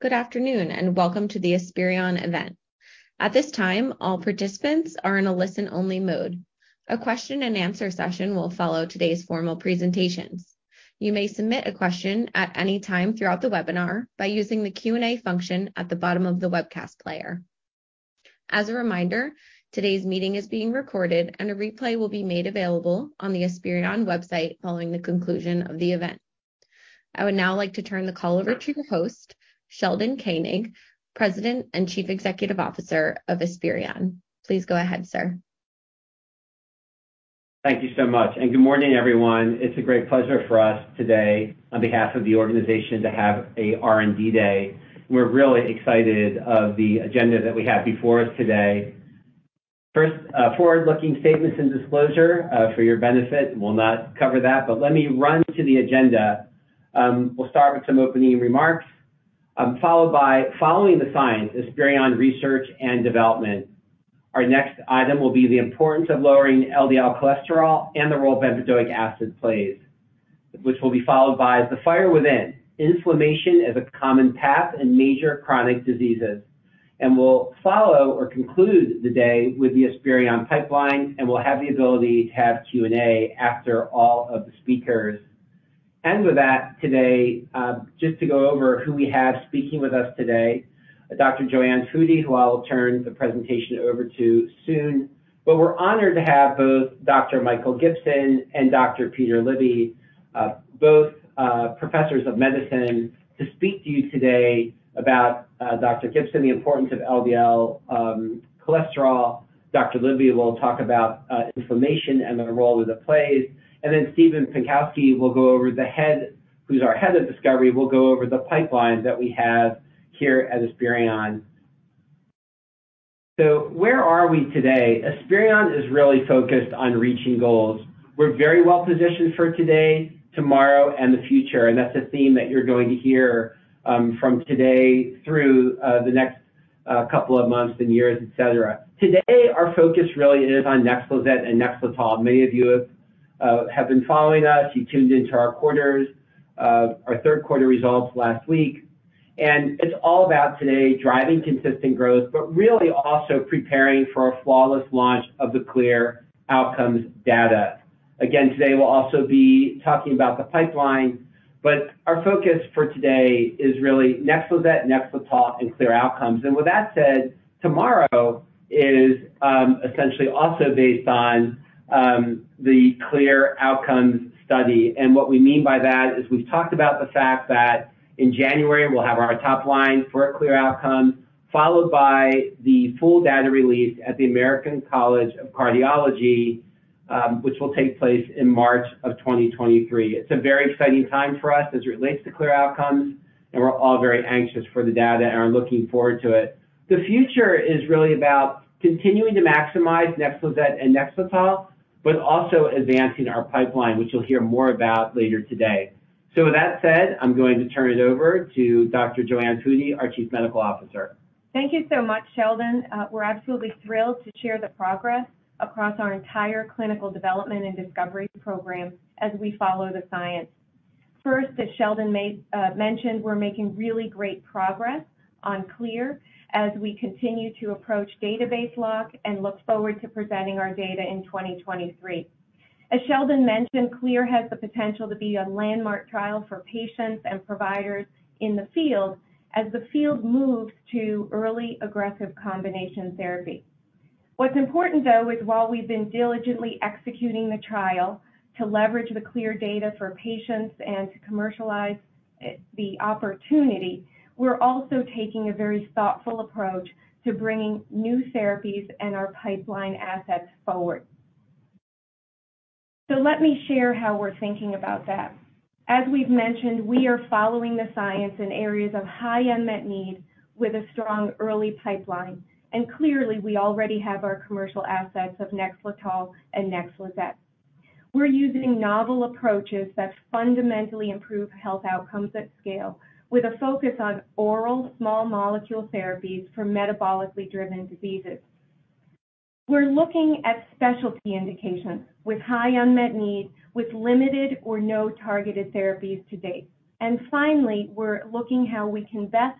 Good afternoon, and welcome to the Esperion event. At this time, all participants are in a listen-only mode. A question and answer session will follow today's formal presentations. You may submit a question at any time throughout the webinar by using the Q&A function at the bottom of the webcast player. As a reminder, today's meeting is being recorded, and a replay will be made available on the Esperion website following the conclusion of the event. I would now like to turn the call over to the host, Sheldon Koenig, President and Chief Executive Officer of Esperion. Please go ahead, sir. Thank you so much, and good morning, everyone. It's a great pleasure for us today on behalf of the organization to have a R&D day. We're really excited of the agenda that we have before us today. First, forward-looking statements and disclosure, for your benefit, we'll not cover that. But let me run to the agenda. We'll start with some opening remarks, followed by Following the Science, Esperion Research and Development. Our next item will be The Importance of Lowering LDL Cholesterol and the Role Bempedoic Acid Plays, which will be followed by The Fire Within, Inflammation as a Common Path in Major Chronic Diseases. We'll follow or conclude the day with the Esperion Pipeline, and we'll have the ability to have Q&A after all of the speakers. With that today, just to go over who we have speaking with us today. Dr. JoAnne Foody, who I'll turn the presentation over to soon. We're honored to have both Dr. Michael Gibson and Dr. Peter Libby, both professors of medicine to speak to you today about Dr. Gibson, the importance of LDL cholesterol. Dr. Libby will talk about inflammation and the role that it plays. Stephen Pankauski, who's our head of discovery, will go over the pipeline that we have here at Esperion. Where are we today? Esperion is really focused on reaching goals. We're very well-positioned for today, tomorrow, and the future, and that's a theme that you're going to hear from today through the next couple of months and years, etc. Today, our focus really is on NEXLIZET and NEXLETOL. Many of you have been following us. You tuned into our quarters, our third quarter results last week. It's all about today driving consistent growth, but really also preparing for a flawless launch of the CLEAR Outcomes data. Again, today we'll also be talking about the pipeline, but our focus for today is really NEXLIZET, NEXLETOL and CLEAR Outcomes. With that said, tomorrow is essentially also based on the CLEAR Outcomes study. What we mean by that is we've talked about the fact that in January, we'll have our top line for a CLEAR Outcomes, followed by the full data release at the American College of Cardiology, which will take place in March of 2023. It's a very exciting time for us as it relates to CLEAR Outcomes, and we're all very anxious for the data and are looking forward to it. The future is really about continuing to maximize NEXLIZET and NEXLETOL, but also advancing our pipeline, which you'll hear more about later today. With that said, I'm going to turn it over to Dr. JoAnne Foody, our Chief Medical Officer. Thank you so much, Sheldon. We're absolutely thrilled to share the progress across our entire clinical development and discovery program as we follow the science. First, as Sheldon mentioned, we're making really great progress on CLEAR as we continue to approach database lock and look forward to presenting our data in 2023. As Sheldon mentioned, CLEAR has the potential to be a landmark trial for patients and providers in the field as the field moves to early aggressive combination therapy. What's important, though, is while we've been diligently executing the trial to leverage the CLEAR data for patients and to commercialize the opportunity, we're also taking a very thoughtful approach to bringing new therapies and our pipeline assets forward. Let me share how we're thinking about that. As we've mentioned, we are following the science in areas of high unmet need with a strong early pipeline. Clearly, we already have our commercial assets of NEXLETOL and NEXLIZET. We're using novel approaches that fundamentally improve health outcomes at scale with a focus on oral small molecule therapies for metabolically driven diseases. We're looking at specialty indications with high unmet need with limited or no targeted therapies to date. Finally, we're looking how we can best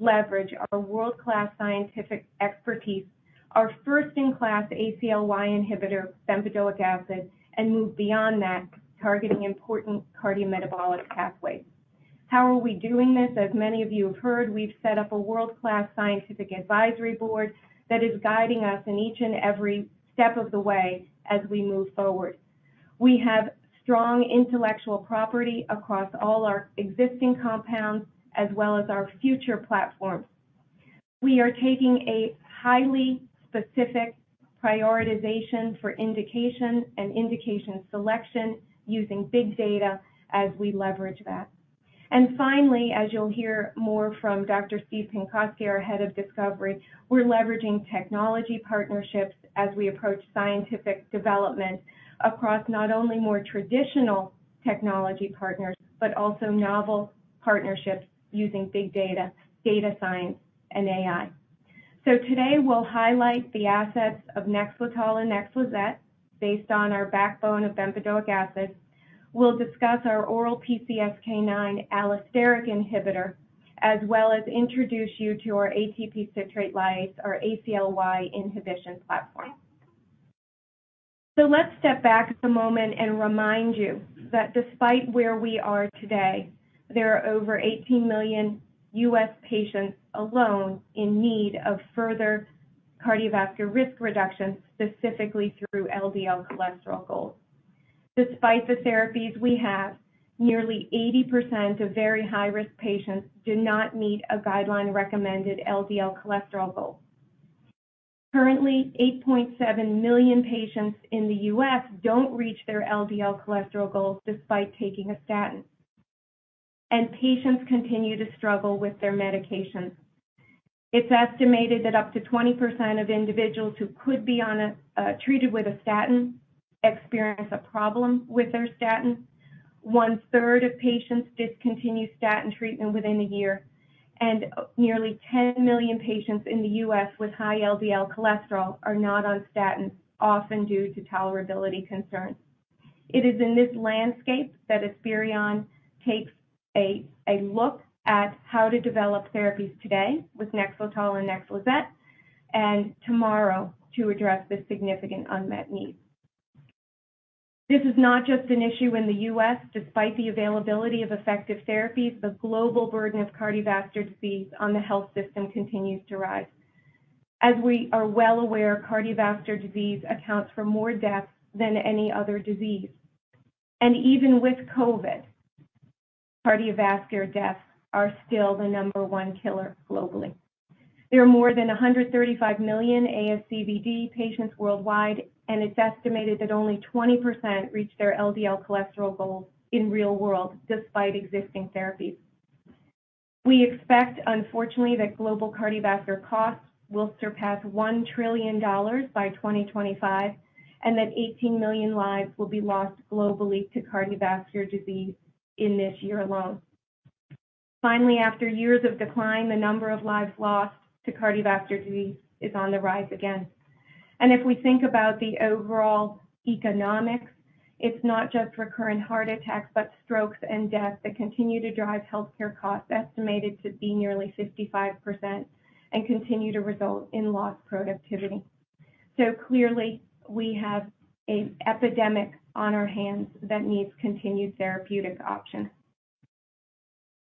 leverage our world-class scientific expertise, our first in class ACLY inhibitor, bempedoic acid, and move beyond that, targeting important cardiometabolic pathways. How are we doing this? As many of you have heard, we've set up a world-class scientific advisory board that is guiding us in each and every step of the way as we move forward. We have strong intellectual property across all our existing compounds as well as our future platforms. We are taking a highly specific prioritization for indication and indication selection using big data as we leverage that. Finally, as you'll hear more from Dr. Stephen Pankauski, our head of discovery, we're leveraging technology partnerships as we approach scientific development across not only more traditional technology partners, but also novel partnerships using big data science, and AI. Today we'll highlight the assets of NEXLETOL and NEXLIZET based on our backbone of bempedoic acid. We'll discuss our oral PCSK9 allosteric inhibitor, as well as introduce you to our ATP citrate lyase or ACLY inhibition platform. Let's step back for a moment and remind you that despite where we are today, there are over 18 million U.S. patients alone in need of further cardiovascular risk reduction, specifically through LDL cholesterol goals. Despite the therapies we have, nearly 80% of very high-risk patients do not meet a guideline-recommended LDL cholesterol goal. Currently, 8.7 million patients in the U.S. don't reach their LDL cholesterol goals despite taking a statin, and patients continue to struggle with their medications. It's estimated that up to 20% of individuals who could be treated with a statin experience a problem with their statin. 1/3 of patients discontinue statin treatment within a year, and nearly 10 million patients in the U.S. with high LDL cholesterol are not on statins, often due to tolerability concerns. It is in this landscape that Esperion takes a look at how to develop therapies today with NEXLETOL and NEXLIZET and tomorrow to address the significant unmet needs. This is not just an issue in the U.S. Despite the availability of effective therapies, the global burden of cardiovascular disease on the health system continues to rise. As we are well aware, cardiovascular disease accounts for more deaths than any other disease. Even with COVID, cardiovascular deaths are still the number one killer globally. There are more than 135 million ASCVD patients worldwide, and it's estimated that only 20% reach their LDL cholesterol goals in real world despite existing therapies. We expect, unfortunately, that global cardiovascular costs will surpass $1 trillion by 2025 and that 18 million lives will be lost globally to cardiovascular disease in this year alone. Finally, after years of decline, the number of lives lost to cardiovascular disease is on the rise again. If we think about the overall economics, it's not just recurrent heart attacks, but strokes and deaths that continue to drive healthcare costs estimated to be nearly 55% and continue to result in lost productivity. Clearly, we have an epidemic on our hands that needs continued therapeutic options.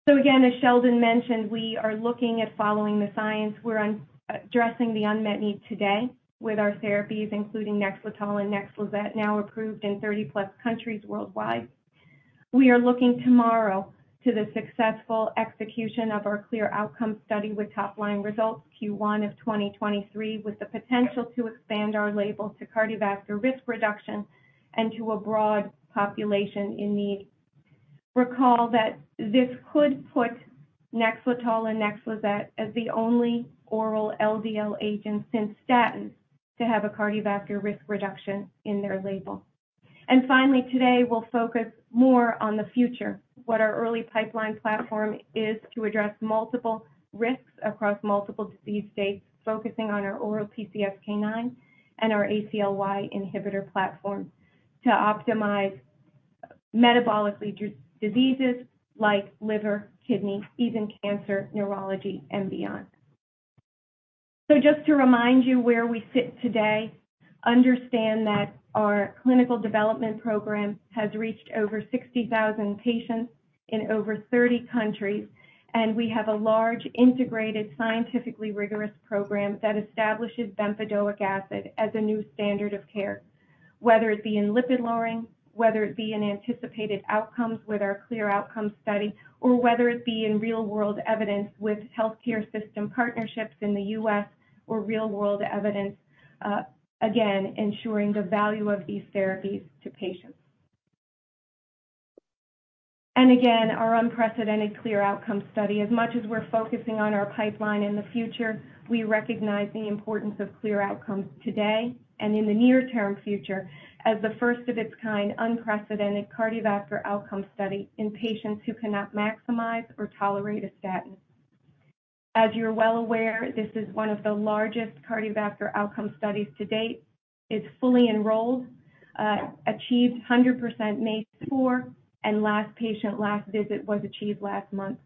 Again, as Sheldon mentioned, we are looking at following the science. We're addressing the unmet need today with our therapies, including Nexletol and Nexlizet, now approved in 30+ countries worldwide. We are looking tomorrow to the successful execution of our CLEAR Outcomes study with top-line results Q1 of 2023, with the potential to expand our label to cardiovascular risk reduction and to a broad population in need. Recall that this could put Nexletol and Nexlizet as the only oral LDL agents since statins to have a cardiovascular risk reduction in their label. Finally, today we'll focus more on the future, what our early pipeline platform is to address multiple risks across multiple disease states, focusing on our oral PCSK9 and our ACLY inhibitor platform to optimize metabolic diseases like liver, kidney, even cancer, neurology, and beyond. Just to remind you where we sit today, understand that our clinical development program has reached over 60,000 patients in over 30 countries. We have a large, integrated, scientifically rigorous program that establishes bempedoic acid as a new standard of care, whether it be in lipid-lowering, whether it be in anticipated outcomes with our CLEAR Outcomes study, or whether it be in real-world evidence with healthcare system partnerships in the U.S. or real-world evidence, again ensuring the value of these therapies to patients. Again, our unprecedented CLEAR Outcomes study. As much as we're focusing on our pipeline in the future, we recognize the importance of CLEAR Outcomes today and in the near-term future as the first of its kind, unprecedented cardiovascular outcome study in patients who cannot maximize or tolerate a statin. As you're well aware, this is one of the largest cardiovascular outcome studies to date. It's fully enrolled, achieved 100% MACE4, and last patient last visit was achieved last month.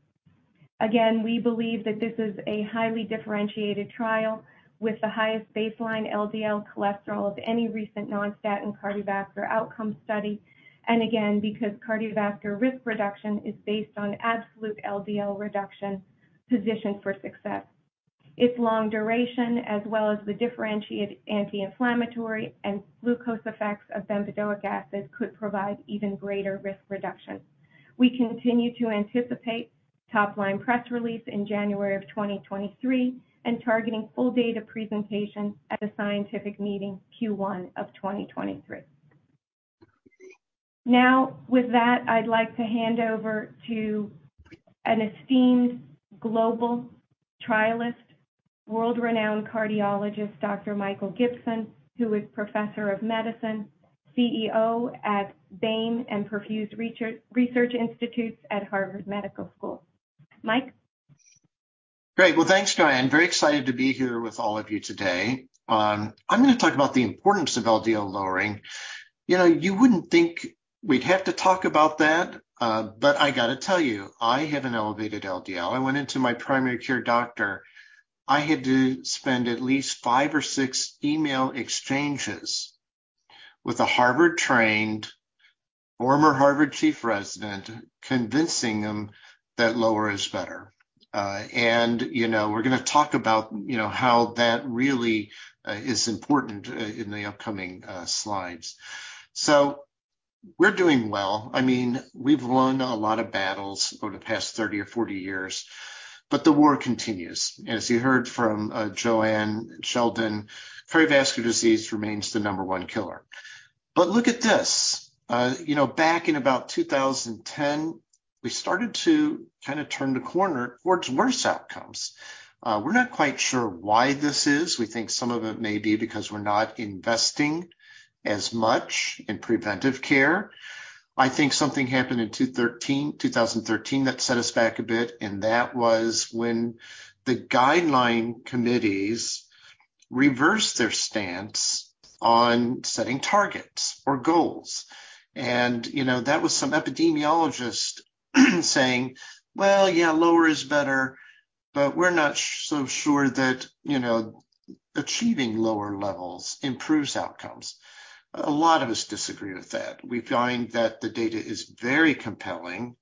Again, we believe that this is a highly differentiated trial with the highest baseline LDL cholesterol of any recent non-statin cardiovascular outcome study. Because cardiovascular risk reduction is based on absolute LDL reduction positioned for success. Its long duration as well as the differentiated anti-inflammatory and glucose effects of bempedoic acid could provide even greater risk reduction. We continue to anticipate top-line press release in January of 2023 and targeting full data presentation at a scientific meeting Q1 of 2023. Now with that, I'd like to hand over to an esteemed global trialist, world-renowned cardiologist, Dr. Michael Gibson, who is Professor of Medicine, CEO at Baim Institute and PERFUSE research institutes at Harvard Medical School. Mike Great. Well, thanks, Joanne. Very excited to be here with all of you today. I'm going to talk about the importance of LDL lowering. You know, you wouldn't think we'd have to talk about that, but I gotta tell you, I have an elevated LDL. I went into my primary care doctor. I had to spend at least five or six email exchanges with a Harvard-trained, former Harvard chief resident, convincing him that lower is better. You know, we're going to talk about, you know, how that really is important in the upcoming slides. We're doing well. I mean, we've won a lot of battles over the past 30 or 40 years, but the war continues. As you heard from JoAnne, Sheldon, cardiovascular disease remains the number one killer. Look at this, you know, back in about 2010, we started to kind of turn the corner towards worse outcomes. We're not quite sure why this is. We think some of it may be because we're not investing as much in preventive care. I think something happened in 2013 that set us back a bit, and that was when the guideline committees reversed their stance on setting targets or goals. You know, that was some epidemiologist saying, "Well, yeah, lower is better, but we're not so sure that, you know, achieving lower levels improves outcomes." A lot of us disagree with that. We find that the data is very compelling,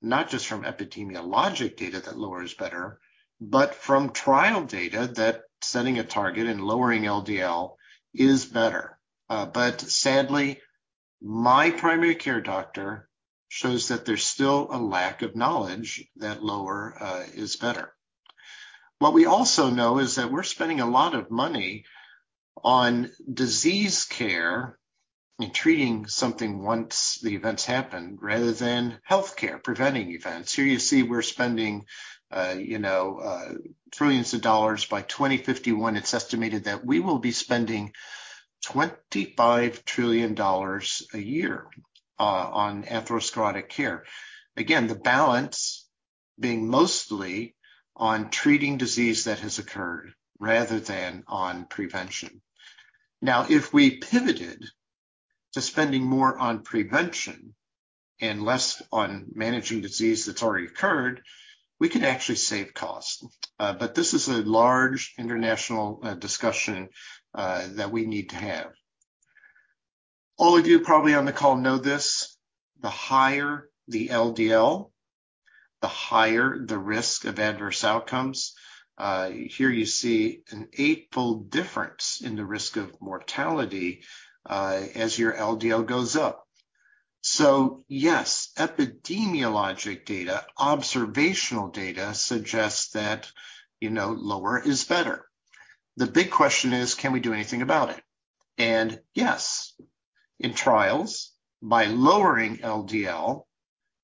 not just from epidemiologic data that lower is better, but from trial data that setting a target and lowering LDL is better. Sadly, my primary care doctor shows that there's still a lack of knowledge that lower is better. What we also know is that we're spending a lot of money on disease care and treating something once the events happen, rather than healthcare, preventing events. Here you see we're spending, you know, trillions of dollars. By 2051, it's estimated that we will be spending $25 trillion a year on atherosclerotic care. Again, the balance being mostly on treating disease that has occurred rather than on prevention. Now, if we pivoted to spending more on prevention and less on managing disease that's already occurred, we could actually save costs. This is a large international discussion that we need to have. All of you probably on the call know this, the higher the LDL, the higher the risk of adverse outcomes. Here you see an eightfold difference in the risk of mortality, as your LDL goes up. Yes, epidemiologic data, observational data suggests that, you know, lower is better. The big question is: Can we do anything about it? Yes, in trials, by lowering LDL,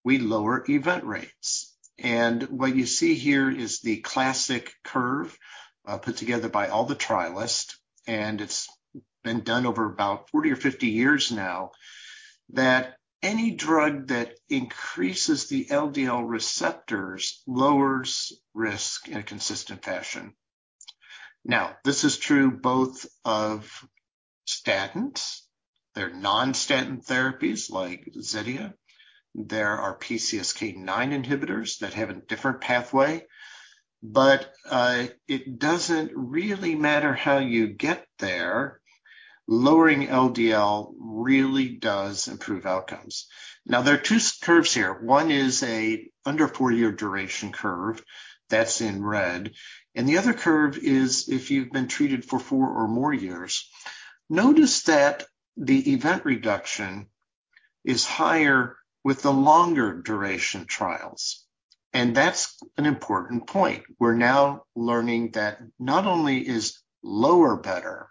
we lower event rates. What you see here is the classic curve, put together by all the trialists, and it's been done over about 40 or 50 years now, that any drug that increases the LDL receptors lowers risk in a consistent fashion. Now, this is true both of statins. There are non-statin therapies like Zetia. There are PCSK9 inhibitors that have a different pathway. It doesn't really matter how you get there, lowering LDL really does improve outcomes. Now, there are two S-curves here. One is under four-year duration curve that's in red, and the other curve is if you've been treated for four or more years. Notice that the event reduction is higher with the longer duration trials, and that's an important point. We're now learning that not only is lower better,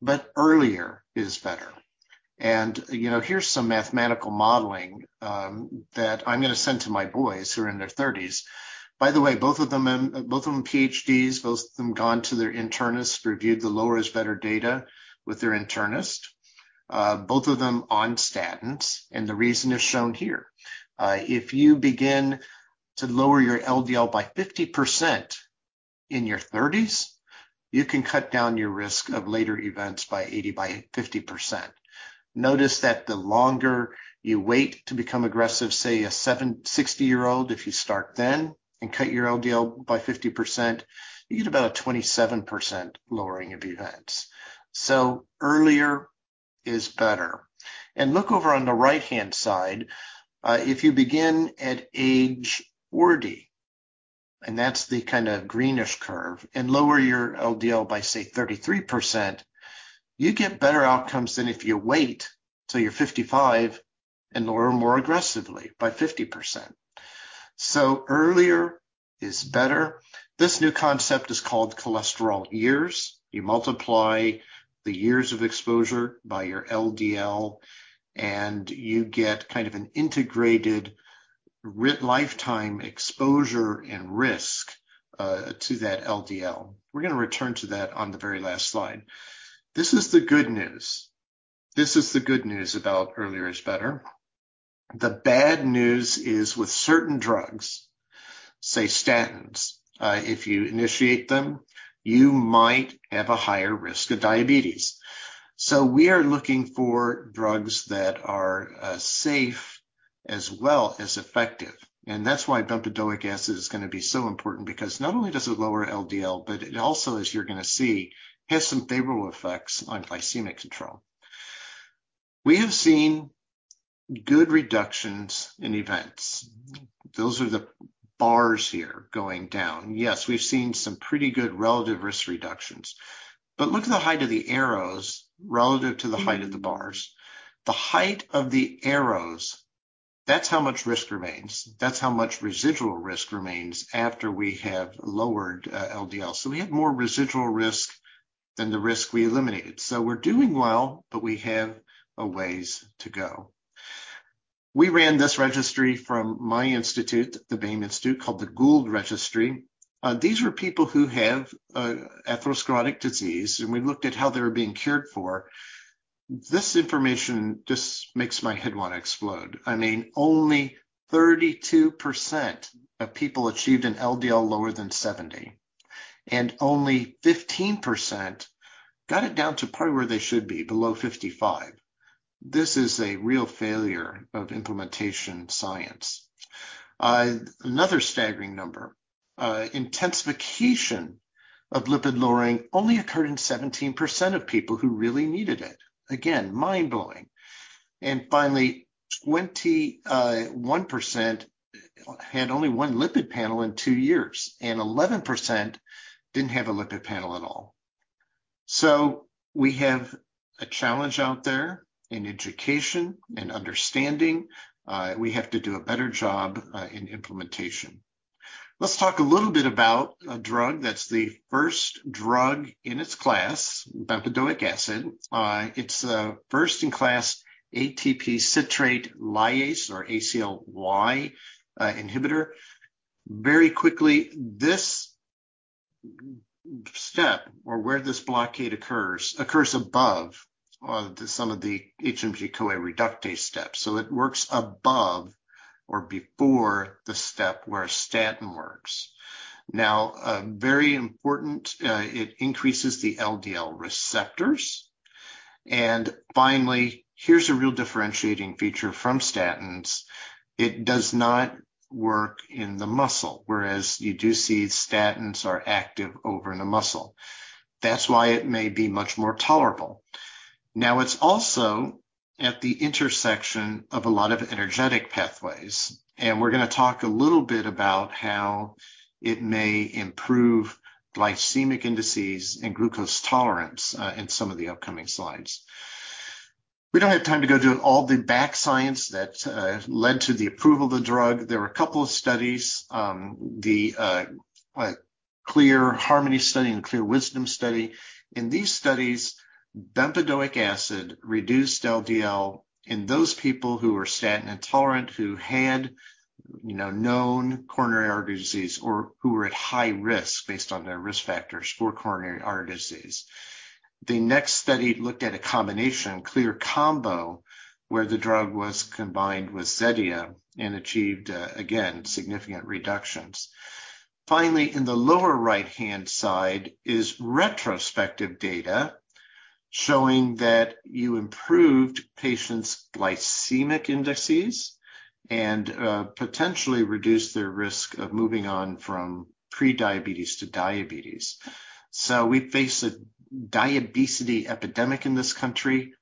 but earlier is better. You know, here's some mathematical modeling that I'm going to send to my boys who are in their 30s. By the way, both of them PhDs, both of them gone to their internist, reviewed the lower is better data with their internist, both of them on statins, and the reason is shown here. If you begin to lower your LDL by 50% in your 30s, you can cut down your risk of later events by 50%. Notice that the longer you wait to become aggressive, say a 76-year-old, if you start then and cut your LDL by 50%, you get about a 27% lowering of events. Earlier is better. Look over on the right-hand side. If you begin at age 40 years, and that's the kind of greenish curve, and lower your LDL by, say, 33%, you get better outcomes than if you wait till you're 55 years and lower more aggressively by 50%. Earlier is better. This new concept is called cholesterol years. You multiply the years of exposure by your LDL. And you get kind of an integrated lifetime exposure and risk to that LDL. We're going to return to that on the very last slide. This is the good news. This is the good news about Earlier Is Better. The bad news is with certain drugs, say statins, if you initiate them, you might have a higher risk of diabetes. We are looking for drugs that are, safe as well as effective. That's why bempedoic acid is going to be so important because not only does it lower LDL, but it also, as you're going to see, has some favorable effects on glycemic control. We have seen good reductions in events. Those are the bars here going down. Yes, we've seen some pretty good relative risk reductions. Look at the height of the arrows relative to the height of the bars. The height of the arrows, that's how much risk remains. That's how much residual risk remains after we have lowered, LDL. We're doing well, but we have a ways to go. We ran this registry from my institute, the Baim Institute, called the GOAL Registry. These were people who have atherosclerotic disease, and we looked at how they were being cared for. This information just makes my head want to explode. I mean, only 32% of people achieved an LDL lower than 70 years, and only 15% got it down to probably where they should be, below 55 years. This is a real failure of implementation science. Another staggering number, intensification of lipid lowering only occurred in 17% of people who really needed it. Again, mind-blowing. Finally, 21% had only one lipid panel in two years, and 11% didn't have a lipid panel at all. We have a challenge out there in education and understanding. We have to do a better job in implementation. Let's talk a little bit about a drug that's the first drug in its class, bempedoic acid. It's a first-in-class ATP citrate lyase, or ACLY, inhibitor. Very quickly, this step, or where this blockade occurs above, the some of the HMG-CoA reductase steps. It works above or before the step where a statin works. Now, very important, it increases the LDL receptors. Finally, here's a real differentiating feature from statins. It does not work in the muscle, whereas you do see statins are active over in the muscle. That's why it may be much more tolerable. Now, it's also at the intersection of a lot of energetic pathways, and we're going to talk a little bit about how it may improve glycemic indices and glucose tolerance, in some of the upcoming slides. We don't have time to go do all the basic science that led to the approval of the drug. There were a couple of studies, the CLEAR Harmony study and CLEAR Wisdom study. In these studies, bempedoic acid reduced LDL in those people who were statin intolerant, who had, you know, known coronary artery disease or who were at high risk based on their risk factors for coronary artery disease. The next study looked at a combination, CLEAR Combo, where the drug was combined with Zetia and achieved again significant reductions. Finally, in the lower right-hand side is retrospective data showing that you improved patients' glycemic indices and potentially reduced their risk of moving on from pre-diabetes to diabetes. We face a diabesity epidemic in this country.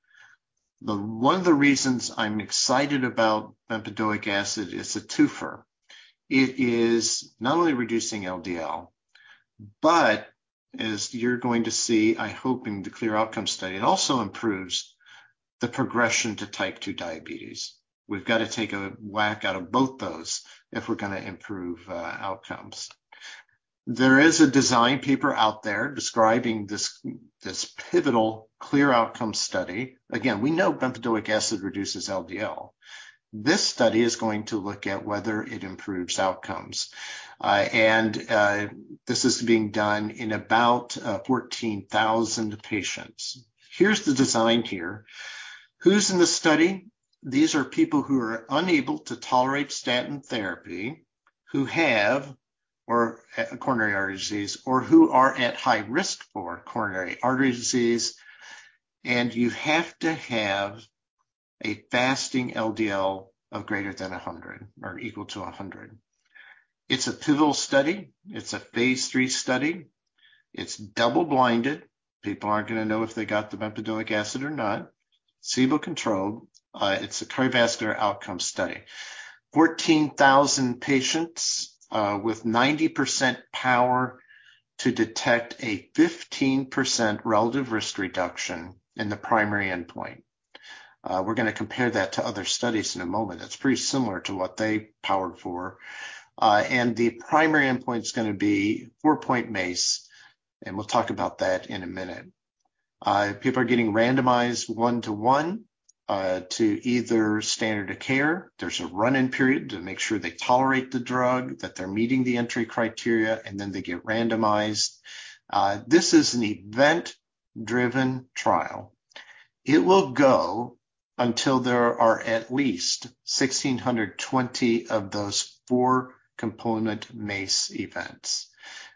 One of the reasons I'm excited about bempedoic acid is a twofer. It is not only reducing LDL, but as you're going to see, I hope, in the CLEAR Outcomes study, it also improves the progression to type two diabetes. We've gotta take a whack out of both those if we're going to improve outcomes. There is a design paper out there describing this pivotal CLEAR Outcomes study. Again, we know bempedoic acid reduces LDL. This study is going to look at whether it improves outcomes. This is being done in about 14,000 patients. Here's the design here. Who's in the study? These are people who are unable to tolerate statin therapy, who have a coronary artery disease, or who are at high risk for coronary artery disease, and you have to have a fasting LDL of greater than 100 or equal to 100. It's a pivotal study. It's a phase III study. It's double-blinded. People aren't going to know if they got the bempedoic acid or not. Placebo-controlled. It's a cardiovascular outcomes study. 14,000 patients, with 90% power to detect a 15% relative risk reduction in the primary endpoint. We're going to compare that to other studies in a moment. That's pretty similar to what they powered for. The primary endpoint's going to be four-point MACE, and we'll talk about that in a minute. People are getting randomized one to one, to either standard of care. There's a run-in period to make sure they tolerate the drug, that they're meeting the entry criteria, and then they get randomized. This is an event-driven trial. It will go until there are at least 1,620 of those four-component MACE events.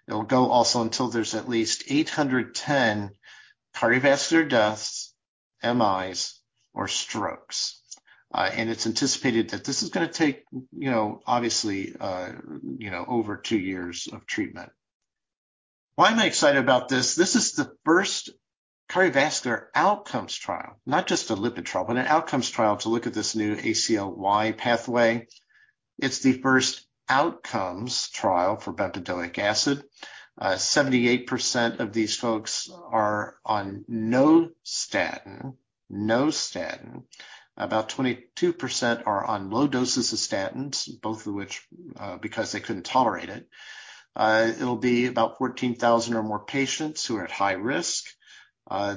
It'll go also until there's at least 810 cardiovascular deaths, MIs or strokes. It's anticipated that this is going to take, you know, obviously, you know, over two years of treatment. Why am I excited about this? This is the first cardiovascular outcomes trial, not just a lipid trial, but an outcomes trial to look at this new ACLY pathway. It's the first outcomes trial for bempedoic acid. 78% of these folks are on no statin. No statin. About 22% are on low doses of statins, both of which, because they couldn't tolerate it. It'll be about 14,000 or more patients who are at high risk.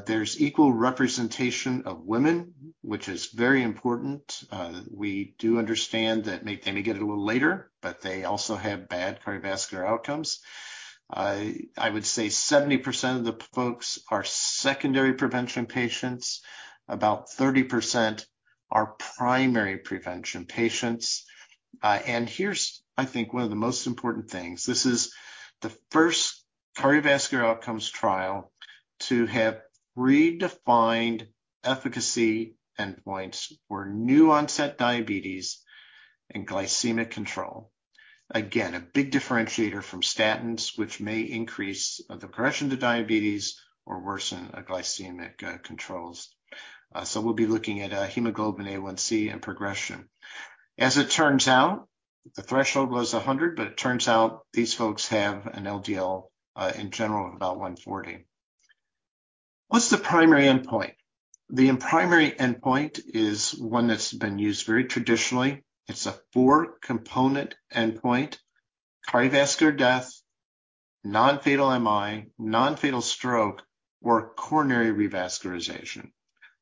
There's equal representation of women, which is very important. We do understand that they may get it a little later, but they also have bad cardiovascular outcomes. I would say 70% of the folks are secondary prevention patients. About 30% are primary prevention patients. Here's I think one of the most important things. This is the first cardiovascular outcomes trial to have redefined efficacy endpoints for new-onset diabetes and glycemic control. Again, a big differentiator from statins, which may increase the progression to diabetes or worsen glycemic controls. We'll be looking at hemoglobin A1c and progression. As it turns out, the threshold was 100, but it turns out these folks have an LDL in general of about 140. What's the primary endpoint? The primary endpoint is one that's been used very traditionally. It's a four-component endpoint. Cardiovascular death, non-fatal MI, non-fatal stroke or coronary revascularization.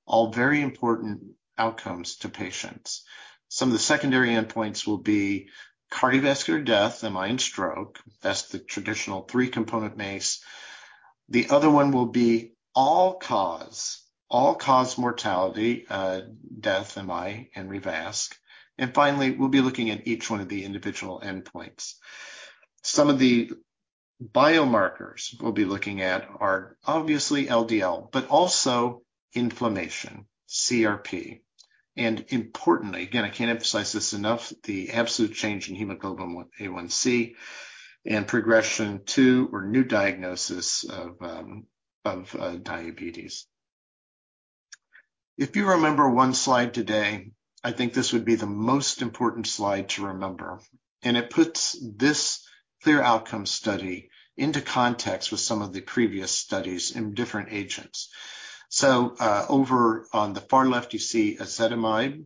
All very important outcomes to patients. Some of the secondary endpoints will be cardiovascular death, MI and stroke. That's the traditional three-component MACE. The other one will be all-cause mortality, death, MI and revasc. Finally, we'll be looking at each one of the individual endpoints. Some of the biomarkers we'll be looking at are obviously LDL, but also inflammation, CRP. Importantly, again, I can't emphasize this enough, the absolute change in hemoglobin A1c and progression to or new diagnosis of diabetes. If you remember one slide today, I think this would be the most important slide to remember, and it puts this CLEAR Outcomes study into context with some of the previous studies in different agents. Over on the far left, you see ezetimibe.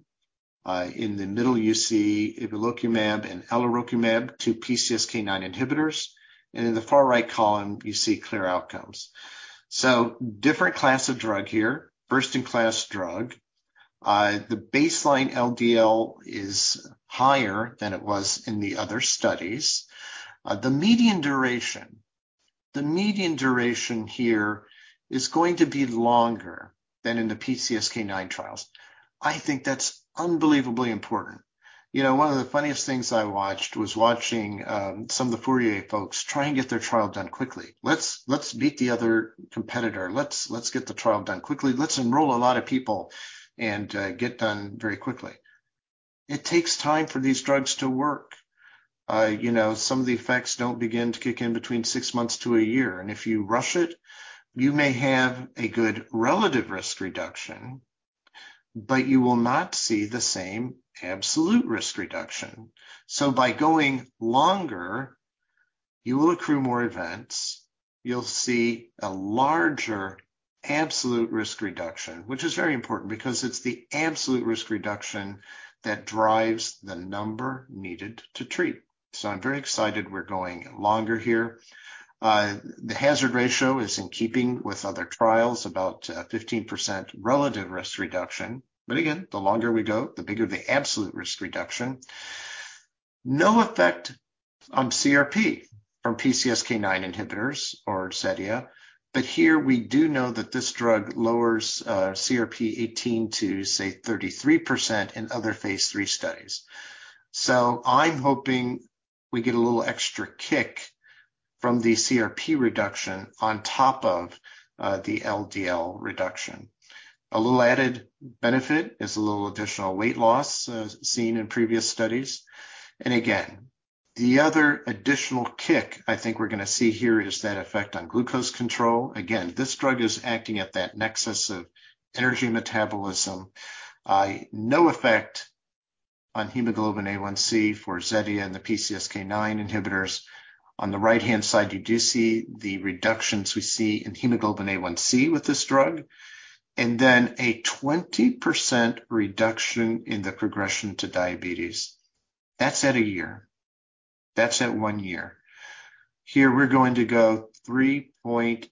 In the middle, you see evolocumab and alirocumab, two PCSK9 inhibitors. In the far right column, you see CLEAR Outcomes. Different class of drug here, first-in-class drug. The baseline LDL is higher than it was in the other studies. The median duration here is going to be longer than in the PCSK9 trials. I think that's unbelievably important. You know, one of the funniest things I watched was watching some of the FOURIER folks try and get their trial done quickly. "Let's beat the other competitor. Let's get the trial done quickly. Let's enroll a lot of people and get done very quickly." It takes time for these drugs to work. You know, some of the effects don't begin to kick in between six months to a year, and if you rush it, you may have a good relative risk reduction, but you will not see the same absolute risk reduction. By going longer, you will accrue more events. You'll see a larger absolute risk reduction, which is very important because it's the absolute risk reduction that drives the number needed to treat. I'm very excited we're going longer here. The hazard ratio is in keeping with other trials, about 15% relative risk reduction. Again, the longer we go, the bigger the absolute risk reduction. No effect on CRP from PCSK9 inhibitors or Zetia. Here we do know that this drug lowers CRP 18%-33% in other phase III studies. I'm hoping we get a little extra kick from the CRP reduction on top of the LDL reduction. A little added benefit is a little additional weight loss seen in previous studies. Again, the other additional kick I think we're going to see here is that effect on glucose control. Again, this drug is acting at that nexus of energy metabolism. No effect on hemoglobin A1c for Zetia and the PCSK9 inhibitors. On the right-hand side, you do see the reductions we see in hemoglobin A1c with this drug. A 20% reduction in the progression to diabetes. That's at a year. That's at one year. Here we're going to go 3.8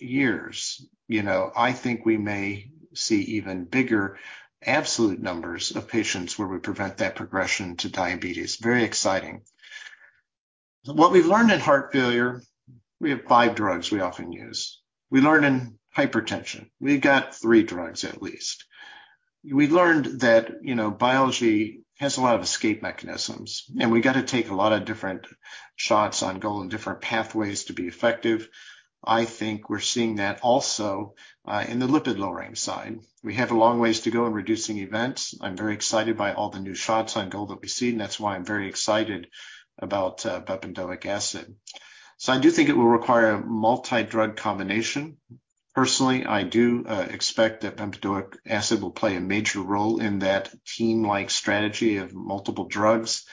years. You know, I think we may see even bigger absolute numbers of patients where we prevent that progression to diabetes. Very exciting. What we've learned in heart failure, we have five drugs we often use. We learn in hypertension, we've got three drugs at least. We've learned that, you know, biology has a lot of escape mechanisms, and we got to take a lot of different shots on goal and different pathways to be effective. I think we're seeing that also in the lipid-lowering side. We have a long ways to go in reducing events. I'm very excited by all the new shots on goal that we've seen. That's why I'm very excited about bempedoic acid. I do think it will require a multi-drug combination. Personally, I do expect that bempedoic acid will play a major role in that team-like strategy of multiple drugs.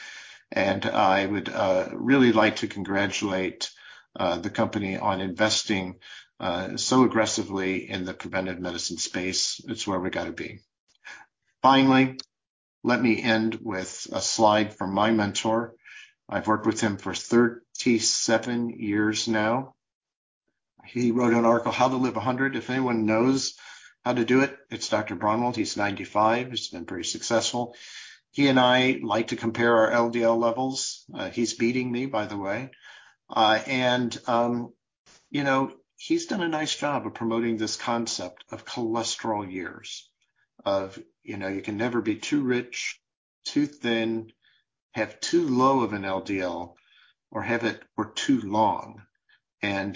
I would really like to congratulate the company on investing so aggressively in the preventive medicine space. It's where we got to be. Finally, let me end with a slide from my mentor. I've worked with him for 37 years now. He wrote an article, How to Live a Hundred. If anyone knows how to do it's Dr. Braunwald. He's 95 years old. He's been pretty successful. He and I like to compare our LDL levels. He's beating me, by the way. You know, he's done a nice job of promoting this concept of cholesterol years. You know, you can never be too rich, too thin, have too low of an LDL, or have it for too long.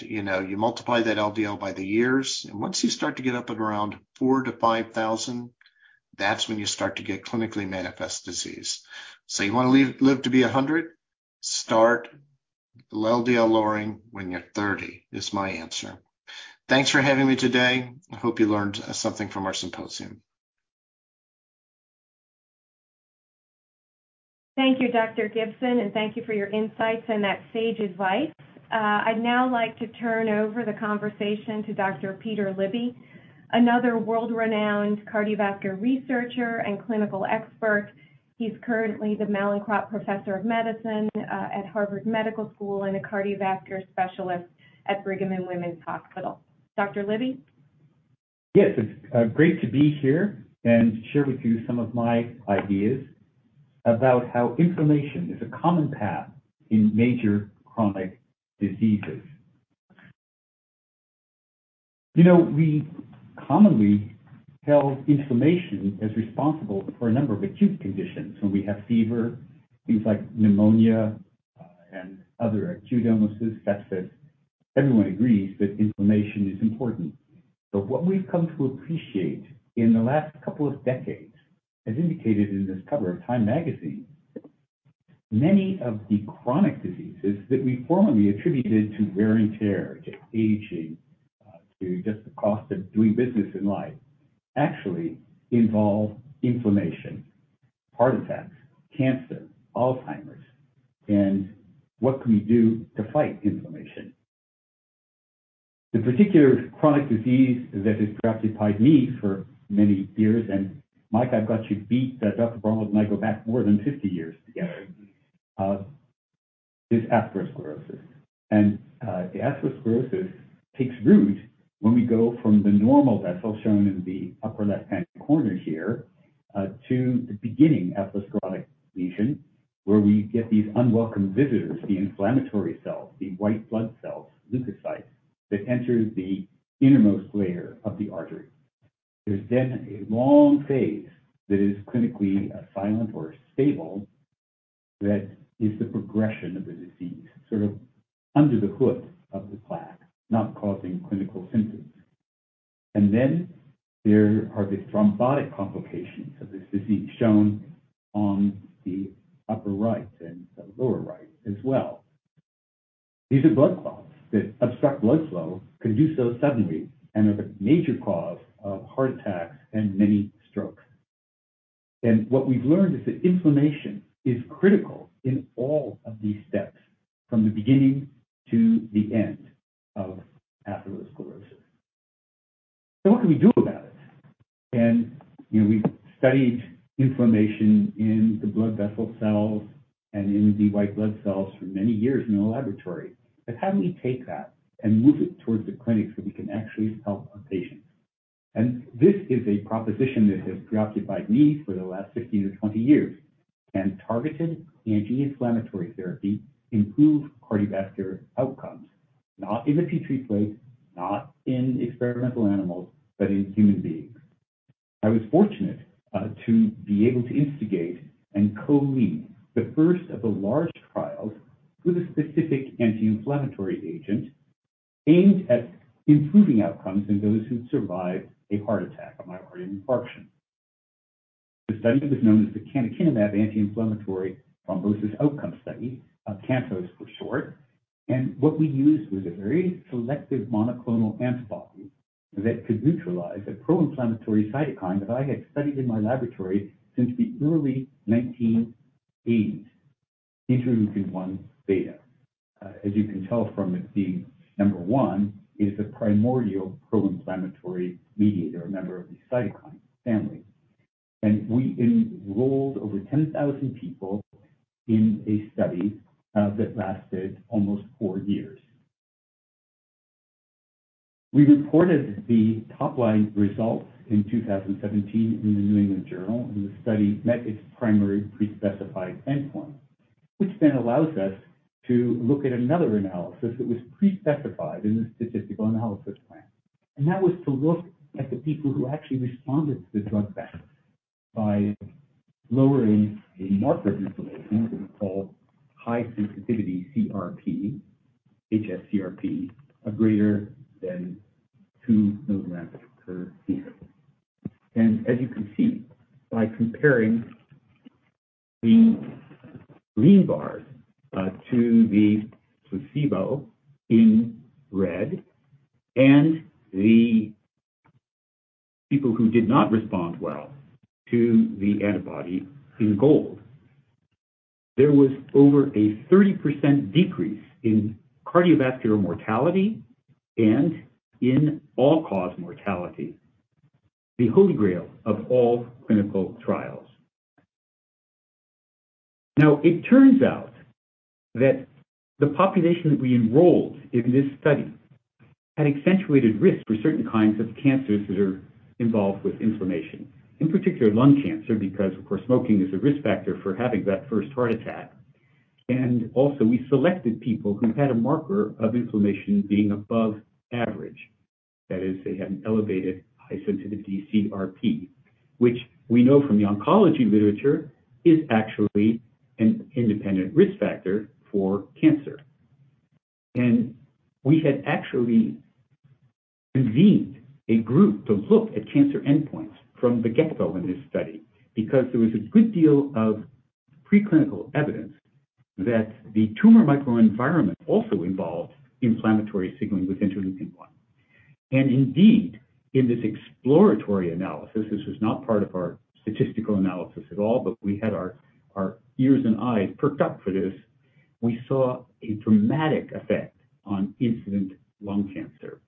You know, you multiply that LDL by the years, and once you start to get up at around 4,000-5,000, that's when you start to get clinically manifest disease. You want to live to be 100 years? Start LDL lowering when you're 30 years, is my answer. Thanks for having me today. I hope you learned something from our symposium. Thank you, Dr. Gibson, and thank you for your insights and that sage advice. I'd now like to turn over the conversation to Dr. Peter Libby, another world-renowned cardiovascular researcher and clinical expert. He's currently the Mallinckrodt Professorship of Medicine at Harvard Medical School and a cardiovascular specialist at Brigham and Women's Hospital. Dr. Libby? Yes. It's great to be here and share with you some of my ideas about how inflammation is a common path in major chronic diseases. You know, we commonly held inflammation as responsible for a number of acute conditions. When we have fever, things like pneumonia, and other acute illnesses, that's that everyone agrees that inflammation is important. What we've come to appreciate in the last couple of decades, as indicated in this cover of Time magazine, many of the chronic diseases that we formerly attributed to wear and tear, to aging, to just the cost of doing business in life, actually involve inflammation. Heart attacks, cancer, Alzheimer's, and what can we do to fight inflammation? The particular chronic disease that has preoccupied me for many years, and Mike, I've got you beat that Dr. Braunwald and I go back more than 50 years together is atherosclerosis. The atherosclerosis takes root when we go from the normal vessel shown in the upper left-hand corner here to the beginning atherosclerotic lesion, where we get these unwelcome visitors, the inflammatory cells, the white blood cells, leukocytes, that enter the innermost layer of the artery. There's then a long phase that is clinically silent or stable that is the progression of the disease, sort of under the hood of the plaque, not causing clinical symptoms. Then there are the thrombotic complications of this disease shown on the upper right and the lower right as well. These are blood clots that obstruct blood flow, can do so suddenly, and are the major cause of heart attacks and mini strokes. What we've learned is that inflammation is critical in all of these steps from the beginning to the end of atherosclerosis. What can we do about it? You know, we've studied inflammation in the blood vessel cells and in the white blood cells for many years in the laboratory. How do we take that and move it towards the clinic so we can actually help our patients? This is a proposition that has preoccupied me for the last 15-20 years. Can targeted anti-inflammatory therapy improve cardiovascular outcomes? Not in a Petri plate, not in experimental animals, but in human beings. I was fortunate to be able to instigate and co-lead the first of the large trials with a specific anti-inflammatory agent aimed at improving outcomes in those who survived a heart attack, a myocardial infarction. The study was known as the Canakinumab Anti-inflammatory Thrombosis Outcomes Study, CANTOS for short. What we used was a very selective monoclonal antibody that could neutralize a pro-inflammatory cytokine that I had studied in my laboratory since the early 1980s. Interleukin-1 beta. As you can tell from it being number one, it is the primordial pro-inflammatory mediator, a member of the cytokine family. We enrolled over 10,000 people in a study that lasted almost four years. We reported the top-line results in 2017 in the New England Journal, and the study met its primary pre-specified endpoint, which then allows us to look at another analysis that was pre-specified in the statistical analysis plan. That was to look at the people who actually responded to the drug best by lowering a marker of inflammation that we call high-sensitivity CRP, hs-CRP, of greater than 2 mg per deciliter. As you can see, by comparing the green bars to the placebo in red and the people who did not respond well to the antibody in gold, there was over a 30% decrease in cardiovascular mortality and in all-cause mortality, the holy grail of all clinical trials. Now, it turns out that the population that we enrolled in this study had accentuated risk for certain kinds of cancers that are involved with inflammation, in particular lung cancer, because, of course, smoking is a risk factor for having that first heart attack. Also, we selected people who had a marker of inflammation being above average. That is, they had an elevated high-sensitivity CRP, which we know from the oncology literature is actually an independent risk factor for cancer. We had actually convened a group to look at cancer endpoints from the get-go in this study because there was a good deal of preclinical evidence that the tumor microenvironment also involved inflammatory signaling with interleukin-1. Indeed, in this exploratory analysis, this was not part of our statistical analysis at all, but we had our ears and eyes perked up for this. We saw a dramatic effect on incident lung cancer.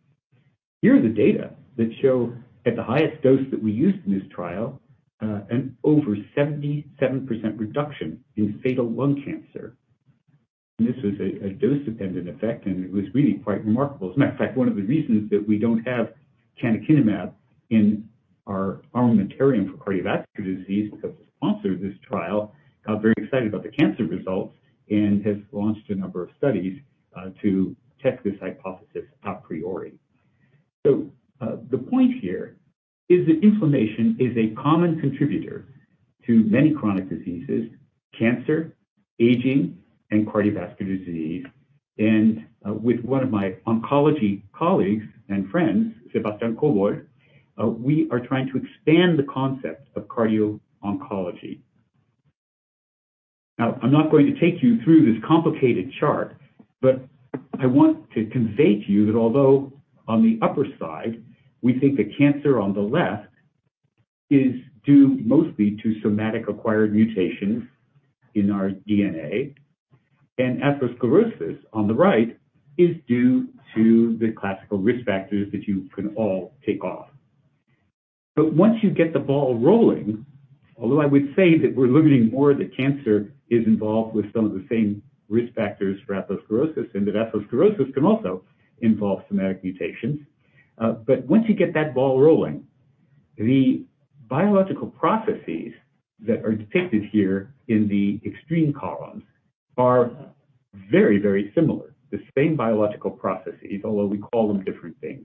Here are the data that show at the highest dose that we used in this trial, an over 77% reduction in fatal lung cancer. This was a dose-dependent effect, and it was really quite remarkable. As a matter of fact, one of the reasons that we don't have canakinumab in our armamentarium for cardiovascular disease, because the sponsor of this trial got very excited about the cancer results and has launched a number of studies to test this hypothesis a priori. The point here is that inflammation is a common contributor to many chronic diseases, cancer, aging, and cardiovascular disease. With one of my oncology colleagues and friends, Sebastian Kobold, we are trying to expand the concept of cardio-oncology. Now, I'm not going to take you through this complicated chart, but I want to convey to you that although on the upper side, we think that cancer on the left is due mostly to somatic acquired mutations in our DNA, and atherosclerosis on the right is due to the classical risk factors that you can all tick off. Once you get the ball rolling, although I would say that we're learning more that cancer is involved with some of the same risk factors for atherosclerosis, and that atherosclerosis can also involve somatic mutations. Once you get that ball rolling, the biological processes that are depicted here in the extreme columns are very, very similar. The same biological processes, although we call them different things.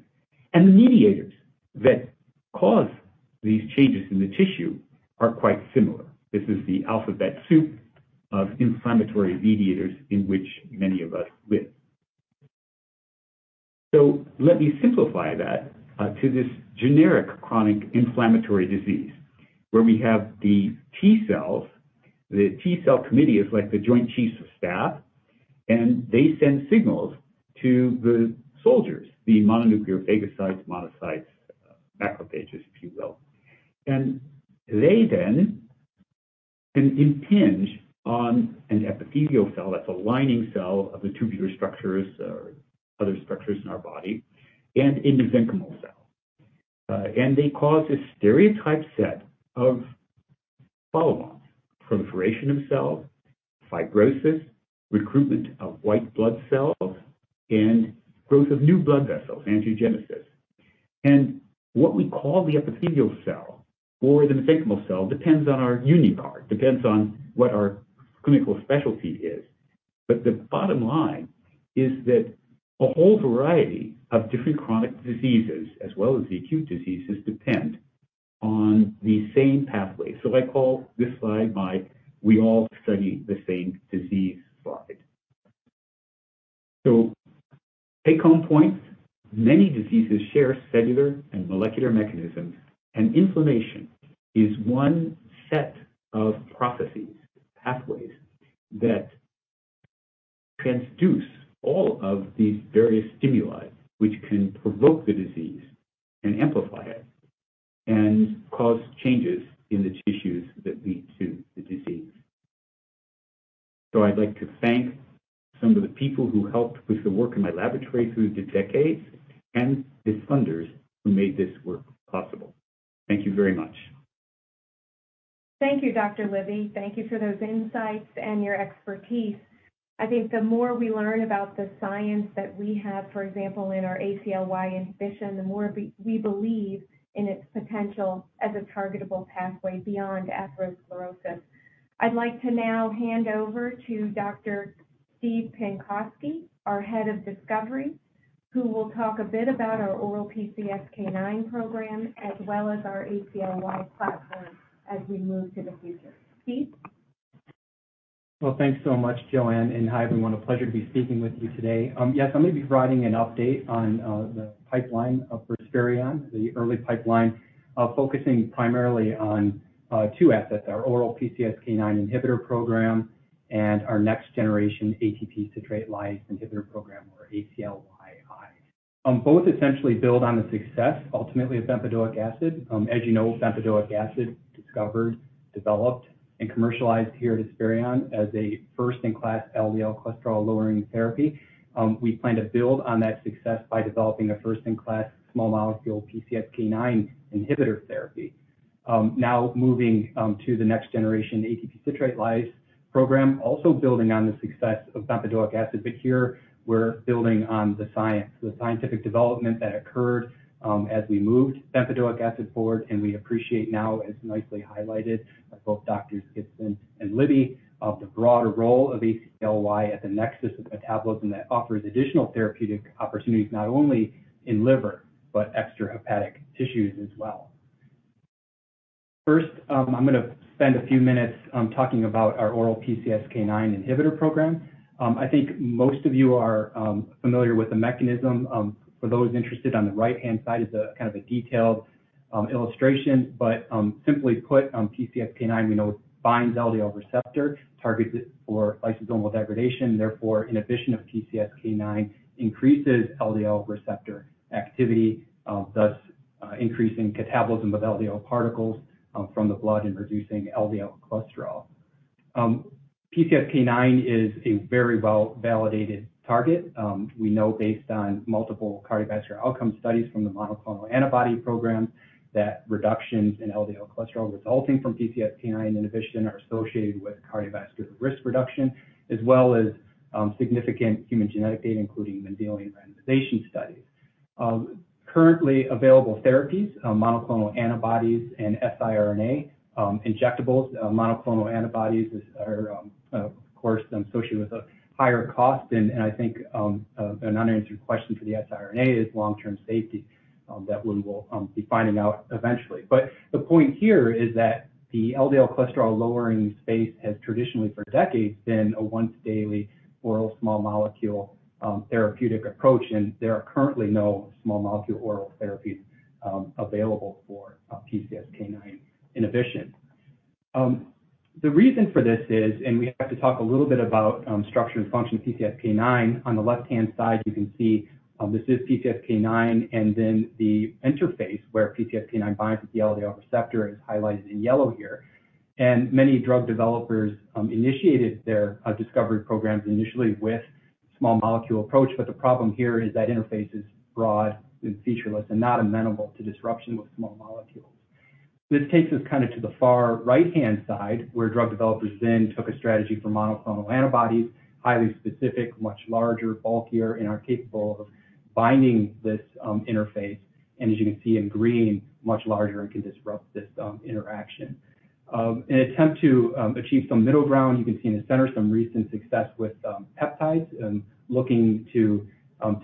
The mediators that cause these changes in the tissue are quite similar. This is the alphabet soup of inflammatory mediators in which many of us live. Let me simplify that to this generic chronic inflammatory disease, where we have the T cells. The T cell committee is like the Joint Chiefs of Staff, and they send signals to the soldiers, the mononuclear phagocytes, monocytes, macrophages, if you will. They then can impinge on an epithelial cell. That's an endothelial cell of the tubular structures or other structures in our body, and the mesenchymal cell. They cause a stereotypic set of follow-ons, proliferation of cells, fibrosis, recruitment of white blood cells, and growth of new blood vessels, angiogenesis. What we call the epithelial cell or the mesenchymal cell depends on what our clinical specialty is. The bottom line is that a whole variety of different chronic diseases, as well as acute diseases, depend on the same pathway. I call this slide my we all study the same disease slide. Take-home points, many diseases share cellular and molecular mechanisms, and inflammation is one set of processes, pathways that transduce all of these various stimuli, which can provoke the disease and amplify it and cause changes in the tissues that lead to the disease. I'd like to thank some of the people who helped with the work in my laboratory through the decades and the funders who made this work possible. Thank you very much. Thank you, Dr. Libby. Thank you for those insights and your expertise. I think the more we learn about the science that we have, for example, in our ACLY inhibition, the more we believe in its potential as a targetable pathway beyond atherosclerosis. I'd like to now hand over to Dr. Stephen Pankauski, our Head of Discovery, who will talk a bit about our oral PCSK9 program as well as our ACLY platform as we move to the future. Steve? Well, thanks so much, Joanne, and hi everyone. A pleasure to be speaking with you today. Yes, I'm going to be providing an update on the pipeline for Esperion, the early pipeline, focusing primarily on two assets, our oral PCSK9 inhibitor program, and our next generation ATP citrate lyase inhibitor program or ACLYI. Both essentially build on the success ultimately of bempedoic acid. As you know, bempedoic acid discovered, developed, and commercialized here at Esperion as a first in class LDL cholesterol lowering therapy. We plan to build on that success by developing a first in class small molecule PCSK9 inhibitor therapy. Now moving to the next generation ATP citrate lyase program, also building on the success of bempedoic acid, but here we're building on the science, the scientific development that occurred as we moved bempedoic acid forward. We appreciate now as nicely highlighted by both Doctors Gibson and Libby of the broader role of ACLY at the nexus of metabolism that offers additional therapeutic opportunities, not only in liver, but extrahepatic tissues as well. First, I'm going to spend a few minutes talking about our oral PCSK9 inhibitor program. I think most of you are familiar with the mechanism. For those interested, on the right-hand side is a kind of a detailed illustration. Simply put, PCSK9 we know binds LDL receptor targets it for lysosomal degradation. Therefore, inhibition of PCSK9 increases LDL receptor activity, thus increasing catabolism of LDL particles from the blood and reducing LDL cholesterol. PCSK9 is a very well-validated target. We know based on multiple cardiovascular outcome studies from the monoclonal antibody program that reductions in LDL cholesterol resulting from PCSK9 inhibition are associated with cardiovascular risk reduction as well as significant human genetic data, including Mendelian randomization studies. Currently available therapies, monoclonal antibodies and siRNA injectables, are of course then associated with a higher cost. I think an unanswered question for the siRNA is long-term safety that we will be finding out eventually. The point here is that the LDL cholesterol lowering space has traditionally for decades been a once daily oral small molecule therapeutic approach, and there are currently no small molecule oral therapies available for PCSK9 inhibition. The reason for this is, and we have to talk a little bit about, structure and function of PCSK9. On the left-hand side, you can see, this is PCSK9, and then the interface where PCSK9 binds with the LDL receptor is highlighted in yellow here. Many drug developers initiated their discovery programs initially with small molecule approach. The problem here is that interface is broad and featureless and not amenable to disruption with small molecules. This takes us kind of to the far right-hand side, where drug developers then took a strategy for monoclonal antibodies, highly specific, much larger, bulkier, and are capable of binding this, interface. As you can see in green, much larger and can disrupt this, interaction. An attempt to achieve some middle ground. You can see in the center some recent success with peptides and looking to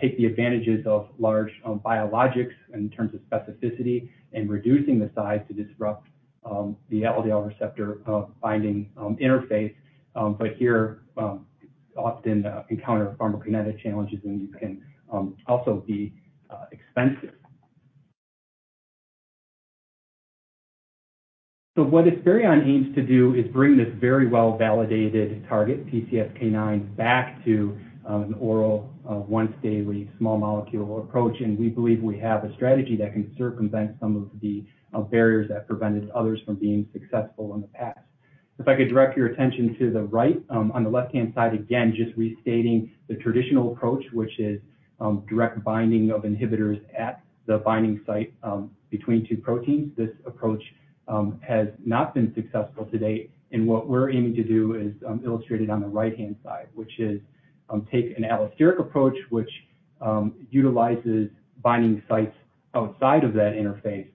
take the advantages of large biologics in terms of specificity and reducing the size to disrupt the LDL receptor binding interface. But here often encounter pharmacokinetic challenges, and these can also be expensive. What Esperion aims to do is bring this very well-validated target PCSK9 back to an oral once daily small molecule approach. We believe we have a strategy that can circumvent some of the barriers that prevented others from being successful in the past. If I could direct your attention to the right, on the left-hand side, again, just restating the traditional approach, which is direct binding of inhibitors at the binding site between two proteins. This approach has not been successful to date. What we're aiming to do is illustrated on the right-hand side, which is take an allosteric approach, which utilizes binding sites outside of that interface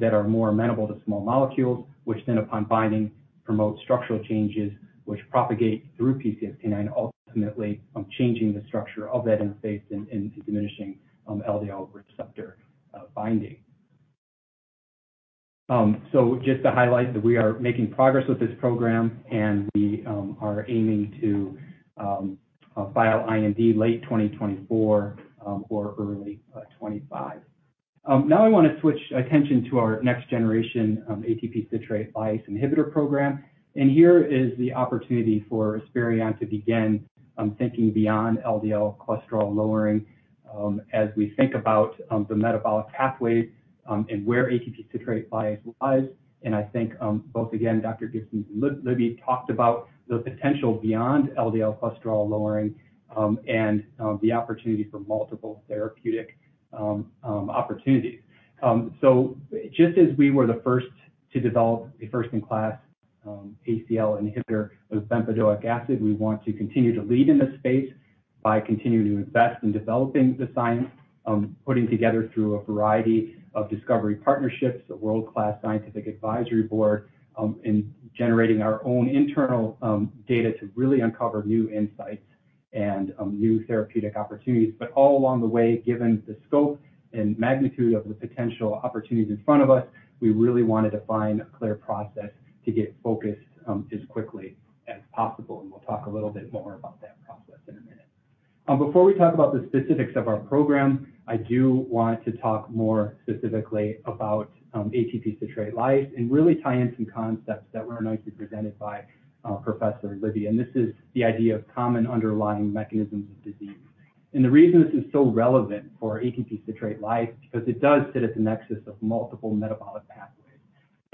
that are more amenable to small molecules, which then upon binding promote structural changes which propagate through PCSK9, ultimately changing the structure of that interface and diminishing LDL receptor binding. Just to highlight that we are making progress with this program, and we are aiming to file IND late 2024 or early 2025. Now I want to switch attention to our next generation ATP citrate lyase inhibitor program. Here is the opportunity for Esperion to begin thinking beyond LDL cholesterol lowering as we think about the metabolic pathways and where ATP citrate lyase lies. I think both again Dr. Gibson and Dr. Libby talked about the potential beyond LDL cholesterol lowering and the opportunity for multiple therapeutic opportunities. Just as we were the first to develop a first-in-class ACL inhibitor with bempedoic acid, we want to continue to lead in this space by continuing to invest in developing the science, putting together through a variety of discovery partnerships a world-class scientific advisory board, and generating our own internal data to really uncover new insights and new therapeutic opportunities. All along the way, given the scope and magnitude of the potential opportunities in front of us, we really wanted to find a clear process to get focused as quickly as possible. We'll talk a little bit more about that process in a minute. Before we talk about the specifics of our program, I do want to talk more specifically about ATP citrate lyase and really tie in some concepts that were nicely presented by Professor Libby. This is the idea of common underlying mechanisms of disease. The reason this is so relevant for ATP citrate lyase is because it does sit at the nexus of multiple metabolic pathways.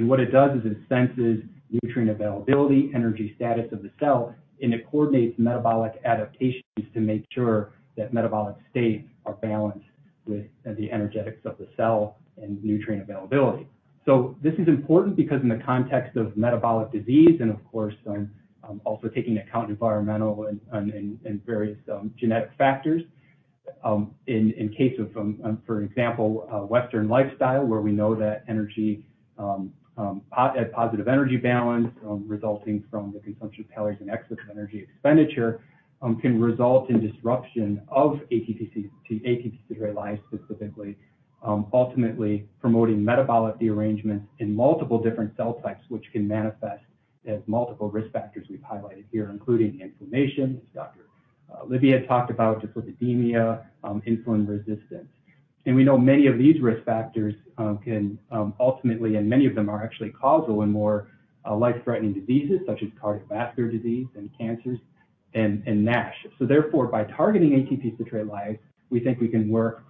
What it does is it senses nutrient availability, energy status of the cell, and it coordinates metabolic adaptations to make sure that metabolic states are balanced with the energetics of the cell and nutrient availability. This is important because in the context of metabolic disease, and of course, also taking into account environmental and various genetic factors, in case of, for example, a Western lifestyle where we know that energy positive energy balance, resulting from the consumption of calories and excess energy expenditure, can result in disruption of ATP citrate lyase specifically, ultimately promoting metabolic derangements in multiple different cell types, which can manifest as multiple risk factors we've highlighted here, including inflammation, as Dr. Libby had talked about, dyslipidemia, insulin resistance. We know many of these risk factors can ultimately, and many of them are actually causal in more life-threatening diseases such as cardiovascular disease and cancers and NASH. By targeting ATP citrate lyase, we think we can work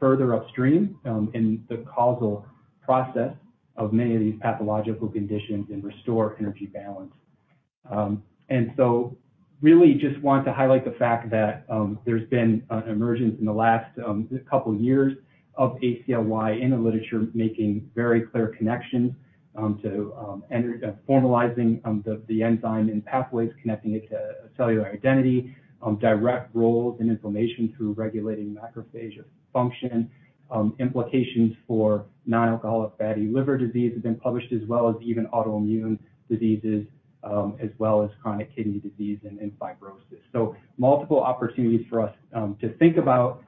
further upstream in the causal process of many of these pathological conditions and restore energy balance. We really just want to highlight the fact that there's been an emergence in the last couple years of ACLY in the literature making very clear connections to formalizing the enzyme and pathways connecting it to cellular identity, direct roles in inflammation through regulating macrophage function, implications for non-alcoholic fatty liver disease have been published, as well as even autoimmune diseases, as well as chronic kidney disease and fibrosis. Multiple opportunities for us to think about,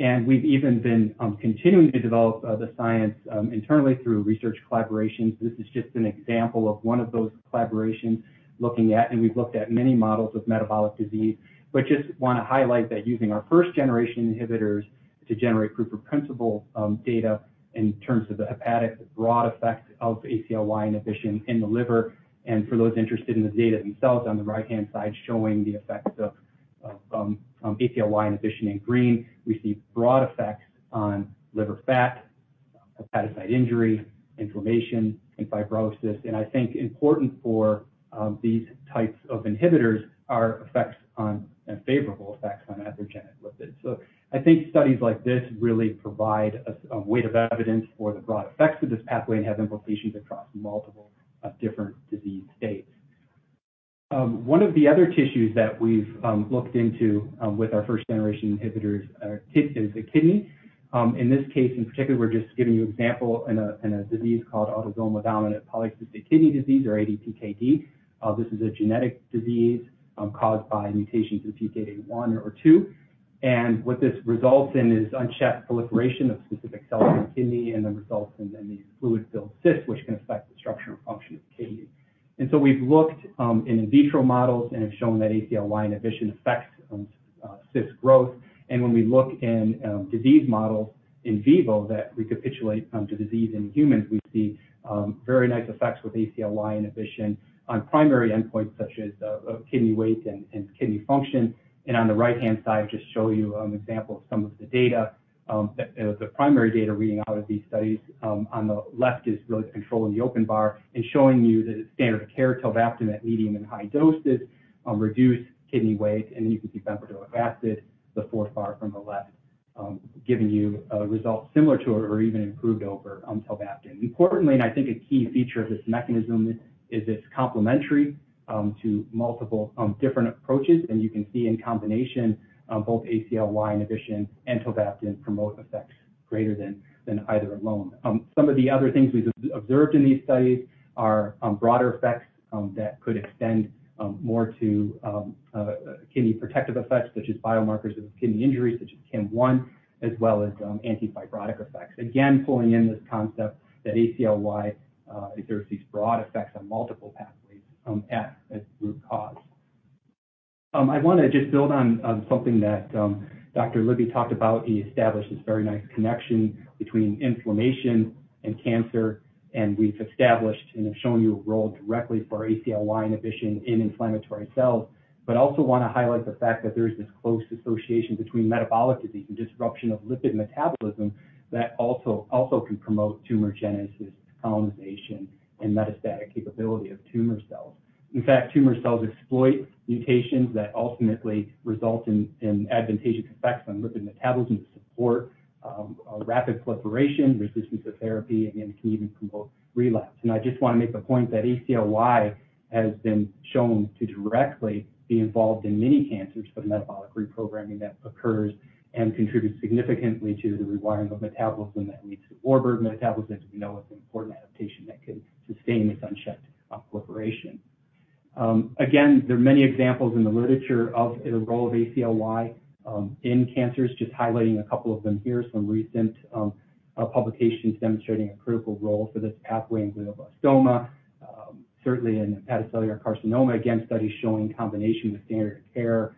and we've even been continuing to develop the science internally through research collaborations. This is just an example of one of those collaborations looking at, and we've looked at many models of metabolic disease, but just want to highlight that using our first generation inhibitors to generate proof of principle data in terms of the hepatic broad effect of ACLY inhibition in the liver. For those interested in the data themselves on the right-hand side showing the effects of ACLY inhibition in green, we see broad effects on liver fat, hepatocyte injury, inflammation, and fibrosis. I think important for these types of inhibitors are effects on, and favorable effects on atherogenic lipids. I think studies like this really provide a weight of evidence for the broad effects of this pathway and have implications across multiple, different disease states. One of the other tissues that we've looked into with our first generation inhibitors is the kidney. In this case in particular, we're just giving you example in a disease called autosomal dominant polycystic kidney disease or ADPKD. This is a genetic disease, caused by mutations in PKD1 or PKD2. What this results in is unchecked proliferation of specific cells in the kidney and results in these fluid-filled cysts, which can affect the structure and function of the kidney. We've looked in in vitro models and have shown that ACLY inhibition affects cyst growth. When we look in disease models in vivo that recapitulate the disease in humans, we see very nice effects with ACLY inhibition on primary endpoints such as kidney weight and kidney function. On the right-hand side, just show you example of some of the data that the primary data reading out of these studies, on the left is really the control in the open bar and showing you that standard of care tolvaptan at medium and high doses reduce kidney weight. You can see bempedoic acid, the fourth bar from the left, giving you a result similar to or even improved over tolvaptan. Importantly, and I think a key feature of this mechanism is it's complementary to multiple different approaches. You can see in combination, both ACLY inhibition and tolvaptan promote effects greater than either alone. Some of the other things we've observed in these studies are broader effects that could extend more to kidney protective effects such as biomarkers of kidney injury, such as KIM-1, as well as anti-fibrotic effects. Again, pulling in this concept that ACLY exerts these broad effects on multiple pathways at its root cause. I want to just build on something that Dr. Libby talked about. He established this very nice connection between inflammation and cancer, and we've established and have shown you a role directly for ACLY inhibition in inflammatory cells, but also want to highlight the fact that there is this close association between metabolic disease and disruption of lipid metabolism that also can promote tumorigenesis, colonization, and metastatic capability of tumor cells. In fact, tumor cells exploit mutations that ultimately result in advantageous effects on lipid metabolism to support rapid proliferation, resistance to therapy, and can even promote relapse. I just want to make the point that ACLY has been shown to directly be involved in many cancers for the metabolic reprogramming that occurs and contributes significantly to the rewiring of metabolism that leads to Warburg effect, as we know, is an important adaptation that can sustain this unchecked proliferation. Again, there are many examples in the literature of the role of ACLY in cancers. Just highlighting a couple of them here, some recent publications demonstrating a critical role for this pathway in glioblastoma, certainly in hepatocellular carcinoma. Again, studies showing combination with standard care,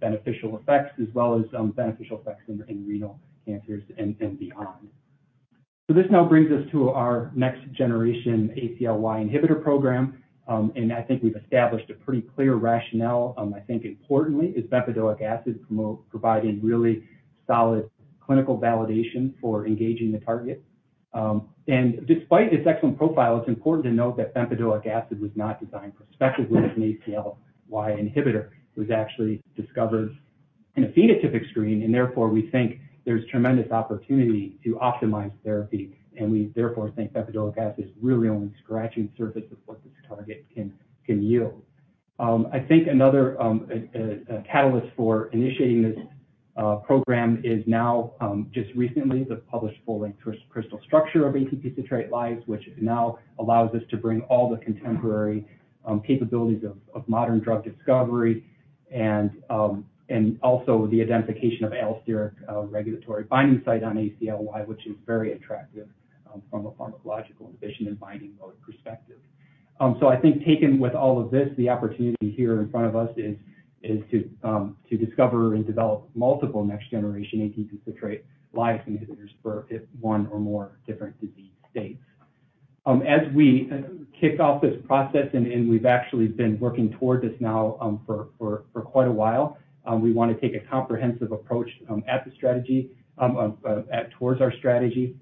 beneficial effects as well as beneficial effects in renal cancers and beyond. This now brings us to our next generation ACLY inhibitor program, and I think we've established a pretty clear rationale. I think importantly is bempedoic acid providing really solid clinical validation for engaging the target. Despite its excellent profile, it's important to note that bempedoic acid was not designed specifically as an ACLY inhibitor. It was actually discovered in a phenotypic screen, and therefore, we think there's tremendous opportunity to optimize therapy, and we therefore think bempedoic acid is really only scratching the surface of what this target can yield. I think another catalyst for initiating this program is now just recently the published full-length crystal structure of ATP citrate lyase, which now allows us to bring all the contemporary capabilities of modern drug discovery and also the identification of allosteric regulatory binding site on ACLY, which is very attractive from a pharmacological inhibition and binding mode perspective. I think taken with all of this, the opportunity here in front of us is to discover and develop multiple next generation ATP citrate lyase inhibitors for one or more different disease states. As we kick off this process, and we've actually been working toward this now, for quite a while, we want to take a comprehensive approach towards our strategy.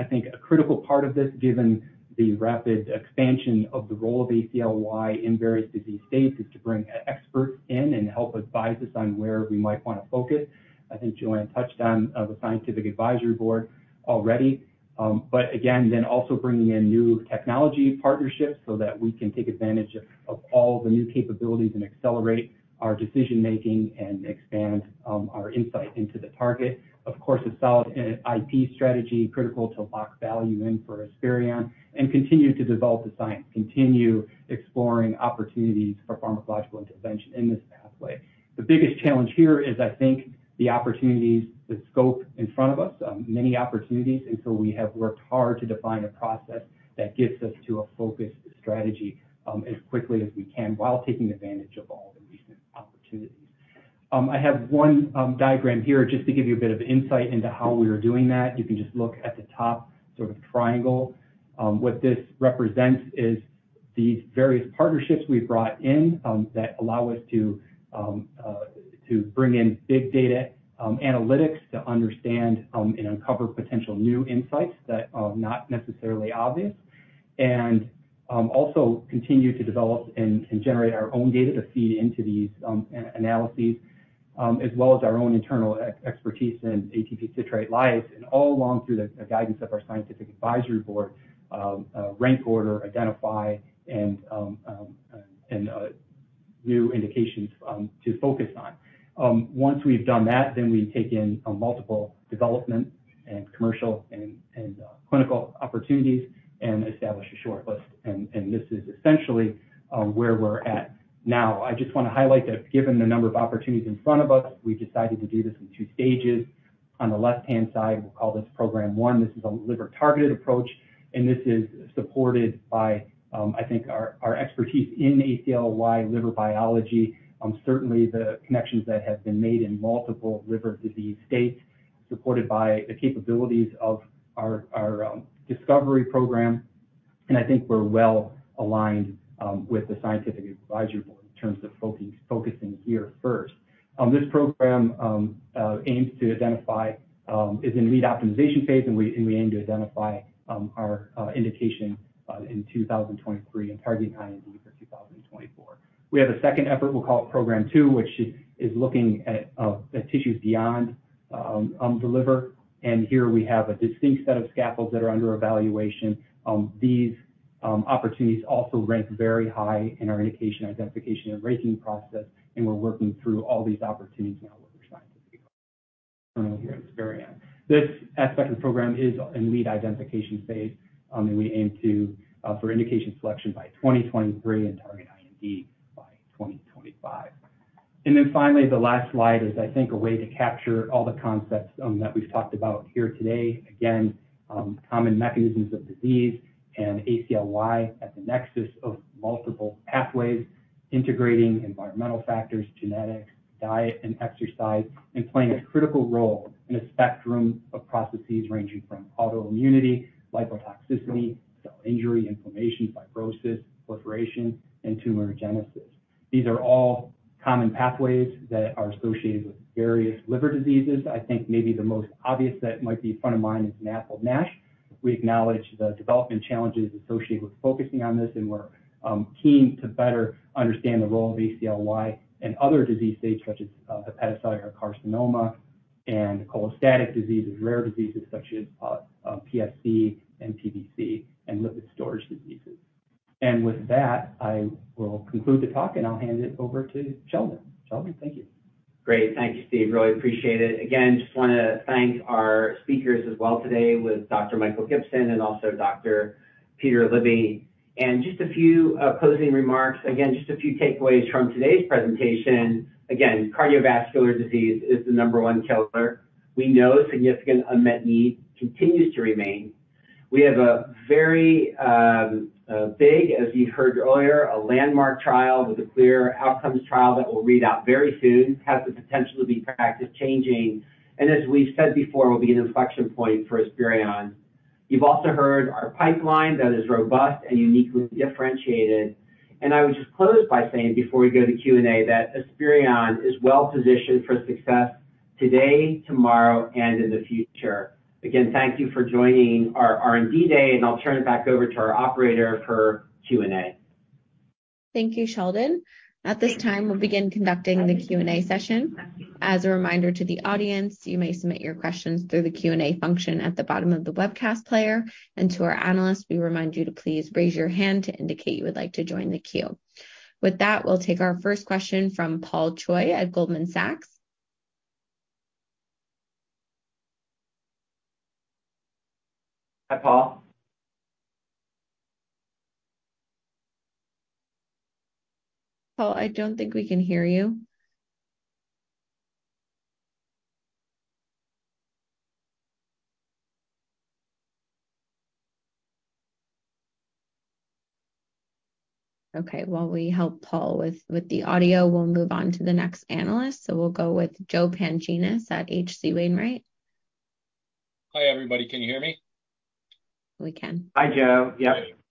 I think a critical part of this, given the rapid expansion of the role of ACLY in various disease states, is to bring experts in and help advise us on where we might want to focus. I think JoAnne touched on the scientific advisory board already. But again, then also bringing in new technology partnerships so that we can take advantage of all the new capabilities and accelerate our decision-making and expand our insight into the target. Of course, a solid IP strategy, critical to lock value in for Esperion and continue to develop the science, continue exploring opportunities for pharmacological intervention in this pathway. The biggest challenge here is I think the opportunities, the scope in front of us, many opportunities, and so we have worked hard to define a process that gets us to a focused strategy, as quickly as we can while taking advantage of all the recent opportunities. I have one diagram here just to give you a bit of insight into how we are doing that. You can just look at the top sort of triangle. What this represents is the various partnerships we've brought in that allow us to bring in big data analytics to understand and uncover potential new insights that are not necessarily obvious, and also continue to develop and generate our own data to feed into these analyses as well as our own internal expertise in ATP citrate lyase and all along through the guidance of our scientific advisory board rank order, identify and new indications to focus on. Once we've done that, we take in multiple development and commercial and clinical opportunities and establish a shortlist, and this is essentially where we're at. Now, I just want to highlight that given the number of opportunities in front of us, we've decided to do this in two stages. On the left-hand side, we'll call this program one. This is a liver-targeted approach, and this is supported by I think our expertise in ACLY liver biology. Certainly the connections that have been made in multiple liver disease states supported by the capabilities of our discovery program, and I think we're well aligned with the scientific advisory board in terms of focusing here first. This program aims to identify is in lead optimization phase, and we aim to identify our indication in 2023 and target IND for 2024. We have a second effort, we'll call it program two, which is looking at tissues beyond the liver, and here we have a distinct set of scaffolds that are under evaluation. These opportunities also rank very high in our indication identification and ranking process, and we're working through all these opportunities now with our scientists here at Esperion. This aspect of the program is in lead identification phase, and we aim for indication selection by 2023 and target IND by 2025. Finally, the last slide is, I think, a way to capture all the concepts that we've talked about here today. Again, common mechanisms of disease and ACLY at the nexus of multiple pathways, integrating environmental factors, genetics, diet, and exercise, and playing a critical role in a spectrum of processes ranging from autoimmunity, lipotoxicity, cell injury, inflammation, fibrosis, proliferation, and tumorigenesis. These are all common pathways that are associated with various liver diseases. I think maybe the most obvious that might be front of mind is NASH or MASH. We acknowledge the development challenges associated with focusing on this, and we're keen to better understand the role of ACLY and other disease states such as hepatocellular carcinoma and cholestatic diseases, rare diseases such as PSC and PBC, and lipid storage diseases. With that, I will conclude the talk, and I'll hand it over to Sheldon. Sheldon, thank you. Great. Thank you, Steve. Really appreciate it. Again, just want to thank our speakers as well today with Dr. Michael Gibson and also Dr. Peter Libby. Just a few closing remarks. Again, just a few takeaways from today's presentation. Again, cardiovascular disease is the number one killer. We know significant unmet need continues to remain. We have a very big, as you heard earlier, a landmark trial with a CLEAR Outcomes trial that will read out very soon, has the potential to be practice-changing, and as we said before, will be an inflection point for Esperion. You've also heard our pipeline that is robust and uniquely differentiated. I would just close by saying, before we go to Q&A, that Esperion is well-positioned for success today, tomorrow, and in the future. Again, thank you for joining our R&D Day, and I'll turn it back over to our operator for Q&A. Thank you, Sheldon. At this time, we'll begin conducting the Q&A session. As a reminder to the audience, you may submit your questions through the Q&A function at the bottom of the webcast player. To our analysts, we remind you to please raise your hand to indicate you would like to join the queue. With that, we'll take our first question from Paul Choi at Goldman Sachs. Hi, Paul. Paul, I don't think we can hear you. Okay. While we help Paul with the audio, we'll move on to the next analyst. We'll go with Joe Pantginis at H.C. Wainwright. Hi, everybody. Can you hear me? We can. Hi, Joe.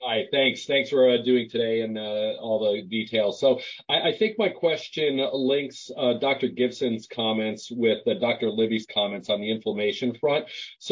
Yep. Hi. Thanks for doing today and all the details. I think my question links Dr. Gibson's comments with Dr. Libby's comments on the inflammation front.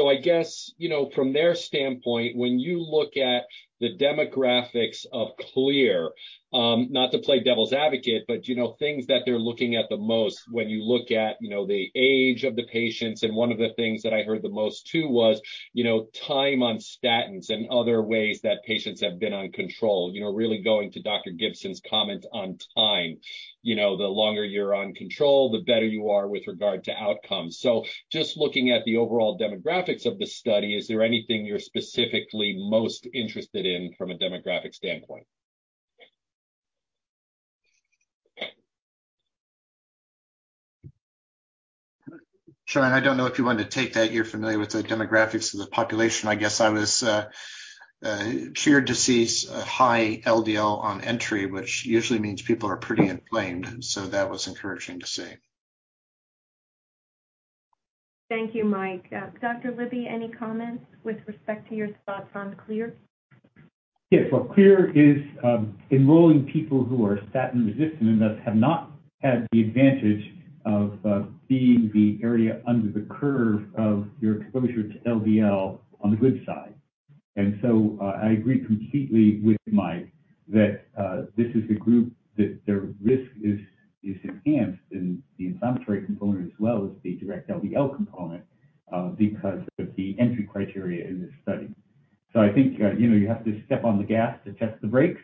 I guess, you know, from their standpoint, when you look at the demographics of CLEAR, not to play devil's advocate, but, you know, things that they're looking at the most when you look at, you know, the age of the patients, and one of the things that I heard the most too was, you know, time on statins and other ways that patients have been on control. You know, really going to Dr. Gibson's comment on time. You know, the longer you're on control, the better you are with regard to outcomes. Just looking at the overall demographics of the study, is there anything you're specifically most interested in from a demographic standpoint? JoAnne, I don't know if you wanted to take that. You're familiar with the demographics of the population. I guess I was CLEAR Outcomes high LDL on entry, which usually means people are pretty inflamed, so that was encouraging to see. Thank you, Mike. Dr. Libby, any comments with respect to your thoughts on CLEAR? Yeah. CLEAR is enrolling people who are statin resistant and thus have not had the advantage of seeing the area under the curve of your exposure to LDL on the good side. I agree completely with Mike that this is a group that their risk is enhanced in the inflammatory component as well as the direct LDL component because of the entry criteria in this study. I think you know you have to step on the gas to test the brakes,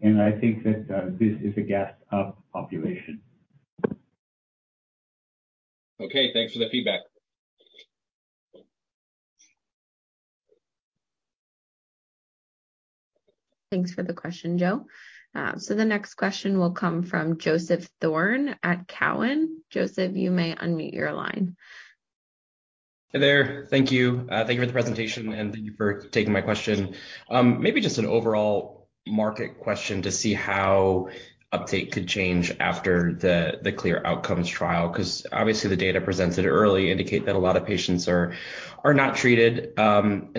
and I think that this is a gas-up population. Okay. Thanks for the feedback. Thanks for the question, Joe. The next question will come from Joseph Thome at Cowen. Joseph, you may unmute your line. Hey there. Thank you. Thank you for the presentation, and thank you for taking my question. Maybe just an overall market question to see how uptake could change after the CLEAR Outcomes trial 'cause obviously the data presented already indicate that a lot of patients are not treated. From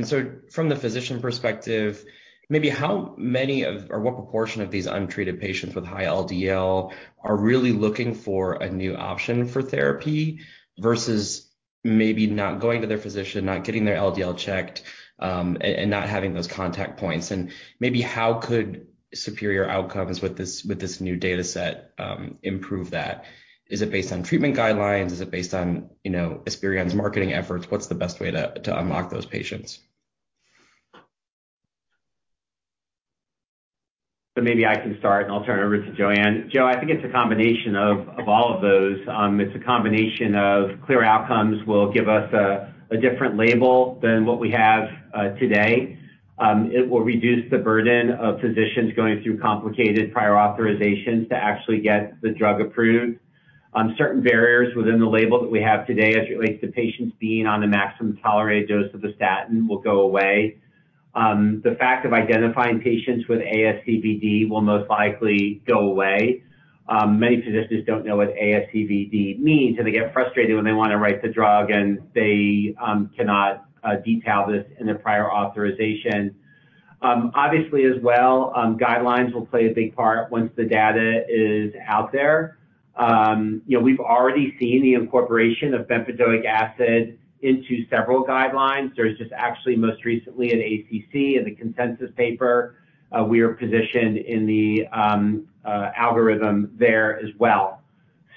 the physician perspective, maybe how many of or what proportion of these untreated patients with high LDL are really looking for a new option for therapy versus maybe not going to their physician, not getting their LDL checked, and not having those contact points? Maybe how could superior outcomes with this new dataset improve that? Is it based on treatment guidelines? Is it based on, you know, Esperion's marketing efforts? What's the best way to unlock those patients? Maybe I can start, and I'll turn it over to JoAnne. Joe, I think it's a combination of all of those. It's a combination of CLEAR Outcomes will give us a different label than what we have today. It will reduce the burden of physicians going through complicated prior authorizations to actually get the drug approved. Certain barriers within the label that we have today as it relates to patients being on the maximum tolerated dose of the statin will go away. The fact of identifying patients with ASCVD will most likely go away. Many physicians don't know what ASCVD means, and they get frustrated when they want to write the drug, and they cannot detail this in their prior authorization. Obviously as well, guidelines will play a big part once the data is out there. You know, we've already seen the incorporation of bempedoic acid into several guidelines. There's just actually most recently an ACC consensus paper. We are positioned in the algorithm there as well.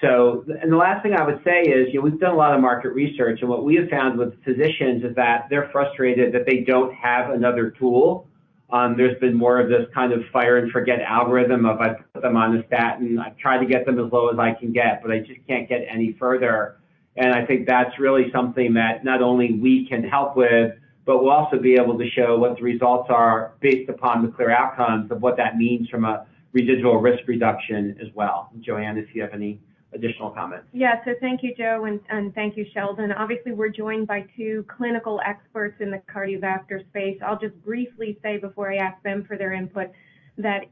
The last thing I would say is, you know, we've done a lot of market research, and what we have found with physicians is that they're frustrated that they don't have another tool. There's been more of this kind of fire and forget algorithm of, "I put them on the statin, I've tried to get them as low as I can get, but I just can't get any further." I think that's really something that not only we can help with, but we'll also be able to show what the results are based upon the CLEAR Outcomes of what that means from a residual risk reduction as well. JoAnne, if you have any additional comments. Yeah. Thank you, Joe, and thank you Sheldon. Obviously, we're joined by two clinical experts in the cardiovascular space. I'll just briefly say before I ask them for their input, that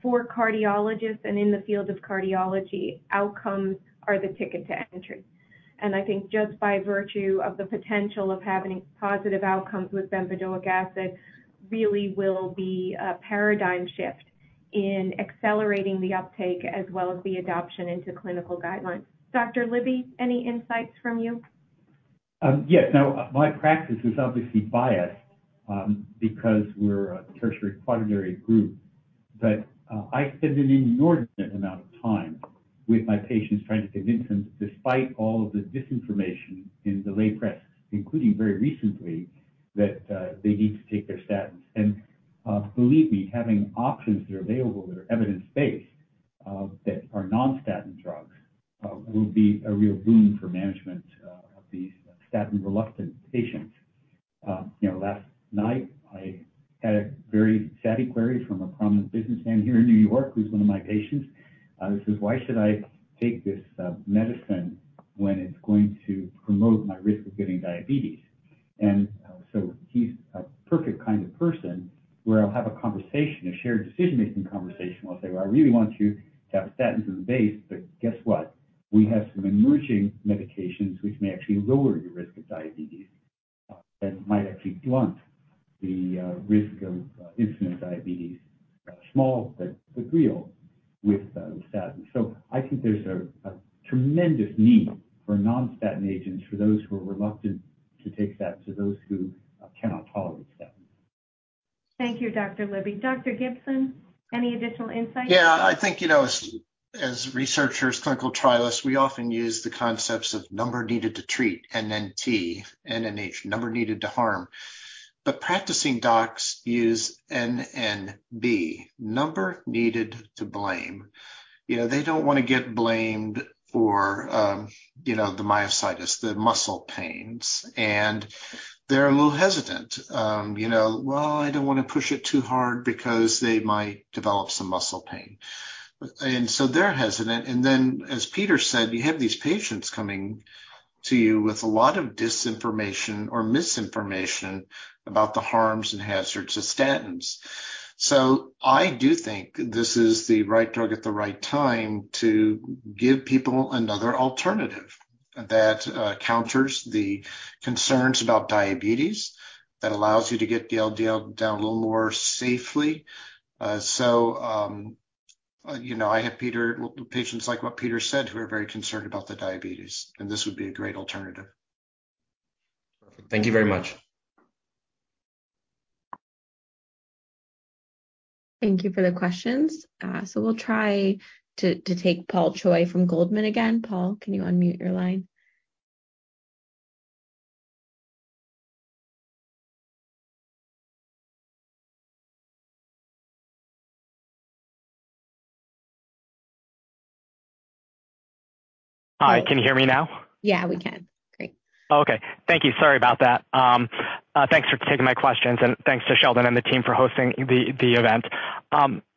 for cardiologists and in the field of cardiology, outcomes are the ticket to entry. I think just by virtue of the potential of having positive outcomes with bempedoic acid really will be a paradigm shift in accelerating the uptake as well as the adoption into clinical guidelines. Dr. Libby, any insights from you? Yes. Now, my practice is obviously biased because we're a tertiary quaternary group. I spend an inordinate amount of time with my patients trying to convince them, despite all of the disinformation in the lay press, including very recently, that they need to take their statins. Believe me, having options that are available that are evidence-based that are non-statin drugs will be a real boon for management of these statin-reluctant patients. You know, last night I had a very savvy query from a prominent businessman here in New York who's one of my patients. He says, "Why should I take this medicine when it's going to promote my risk of getting diabetes?" He's a perfect kind of person where I'll have a conversation, a shared decision-making conversation. I'll say, "Well, I really want you to have statins as a base, but guess what? We have some emerging medications which may actually lower your risk of diabetes, that might actually blunt the risk of incident diabetes. Small but real with statins." I think there's a tremendous need for non-statin agents for those who are reluctant to take statins or those who cannot tolerate statins. Thank you, Dr. Libby. Dr. Gibson, any additional insights? Yeah. I think, you know, as researchers, clinical trialists, we often use the concepts of number needed to treat, NNT. NNH, number needed to harm. Practicing docs use NNB, number needed to blame. You know, they don't want to get blamed for, you know, the myositis, the muscle pains, and they're a little hesitant. You know, "Well, I don't want to push it too hard because they might develop some muscle pain." They're hesitant. As Peter said, you have these patients coming to you with a lot of disinformation or misinformation about the harms and hazards of statins. I do think this is the right drug at the right time to give people another alternative that counters the concerns about diabetes, that allows you to get the LDL down a little more safely. You know, I have patients like what Peter said, who are very concerned about the diabetes, and this would be a great alternative. Perfect. Thank you very much. Thank you for the questions. We'll try to take Paul Choi from Goldman again. Paul, can you unmute your line? Hi, can you hear me now? Yeah, we can. Great. Okay. Thank you. Sorry about that. Thanks for taking my questions, and thanks to Sheldon and the team for hosting the event.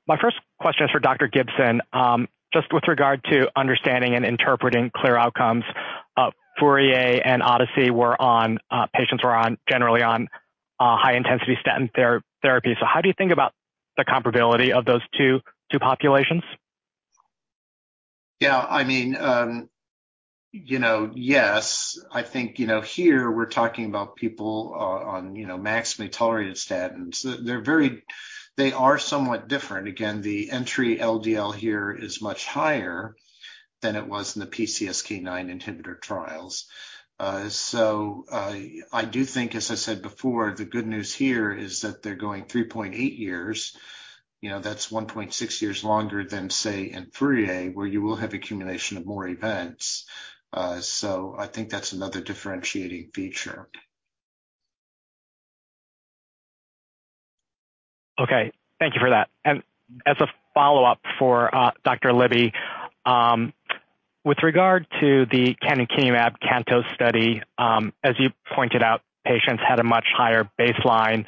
My first question is for Dr. Gibson. Just with regard to understanding and interpreting CLEAR Outcomes, FOURIER and ODYSSEY patients were generally on high-intensity statin therapy. How do you think about the comparability of those two populations? Yeah, I mean, you know, yes. I think, you know, here we're talking about people on, you know, maximally tolerated statins. They are somewhat different. Again, the entry LDL here is much higher than it was in the PCSK9 inhibitor trials. So, I do think, as I said before, the good news here is that they're going 3.8 years. You know, that's 1.6 years longer than, say, in FOURIER, where you will have accumulation of more events. So I think that's another differentiating feature. Okay, thank you for that. As a follow-up for Dr. Libby, with regard to the canakinumab, CANTOS study, as you pointed out, patients had a much higher baseline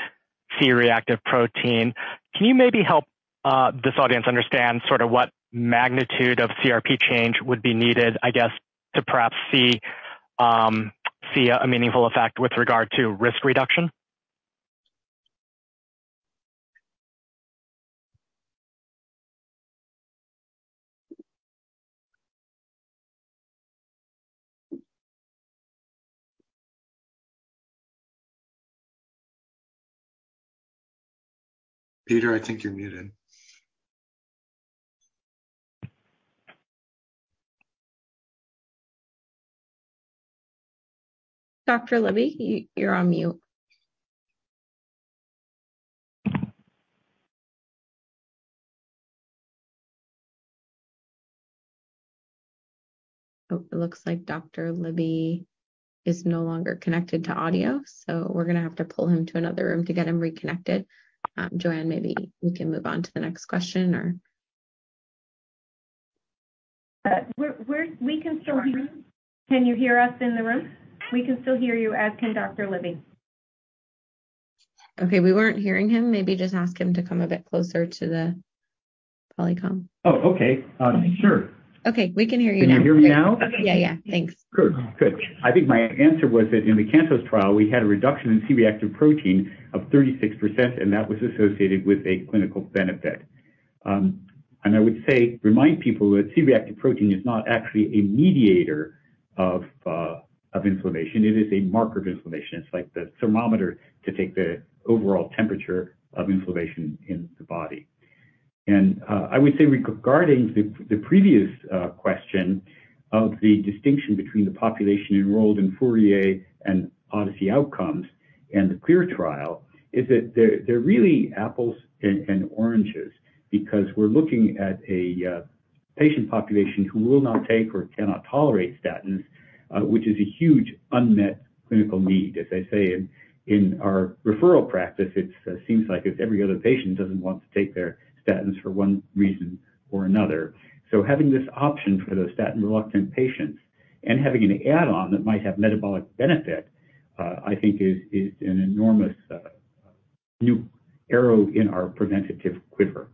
C-reactive protein. Can you maybe help this audience understand sort of what magnitude of CRP change would be needed, I guess, to perhaps see a meaningful effect with regard to risk reduction? Peter, I think you're muted. Dr. Libby, you're on mute. Oh, it looks like Dr. Libby is no longer connected to audio, so we're going to have to pull him to another room to get him reconnected. JoAnne, maybe we can move on to the next question or. We can still hear you. Can you hear us in the room? We can still hear you, as can Dr. Libby. Okay. We weren't hearing him. Maybe just ask him to come a bit closer to the Polycom. Oh, okay. Sure. Okay. We can hear you now. Can you hear me now? Yeah, yeah. Thanks. I think my answer was that in the CANTOS trial we had a reduction in C-reactive protein of 36%, and that was associated with a clinical benefit. I would say, remind people that C-reactive protein is not actually a mediator of inflammation. It is a marker of inflammation. It's like the thermometer to take the overall temperature of inflammation in the body. I would say regarding the previous question of the distinction between the population enrolled in FOURIER and ODYSSEY Outcomes and the CLEAR trial is that they're really apples and oranges because we're looking at a patient population who will not take or cannot tolerate statins, which is a huge unmet clinical need. As I say in our referral practice, it seems like every other patient doesn't want to take their statins for one reason or another. Having this option for those statin-reluctant patients and having an add-on that might have metabolic benefit, I think is an enormous new arrow in our preventative quiver.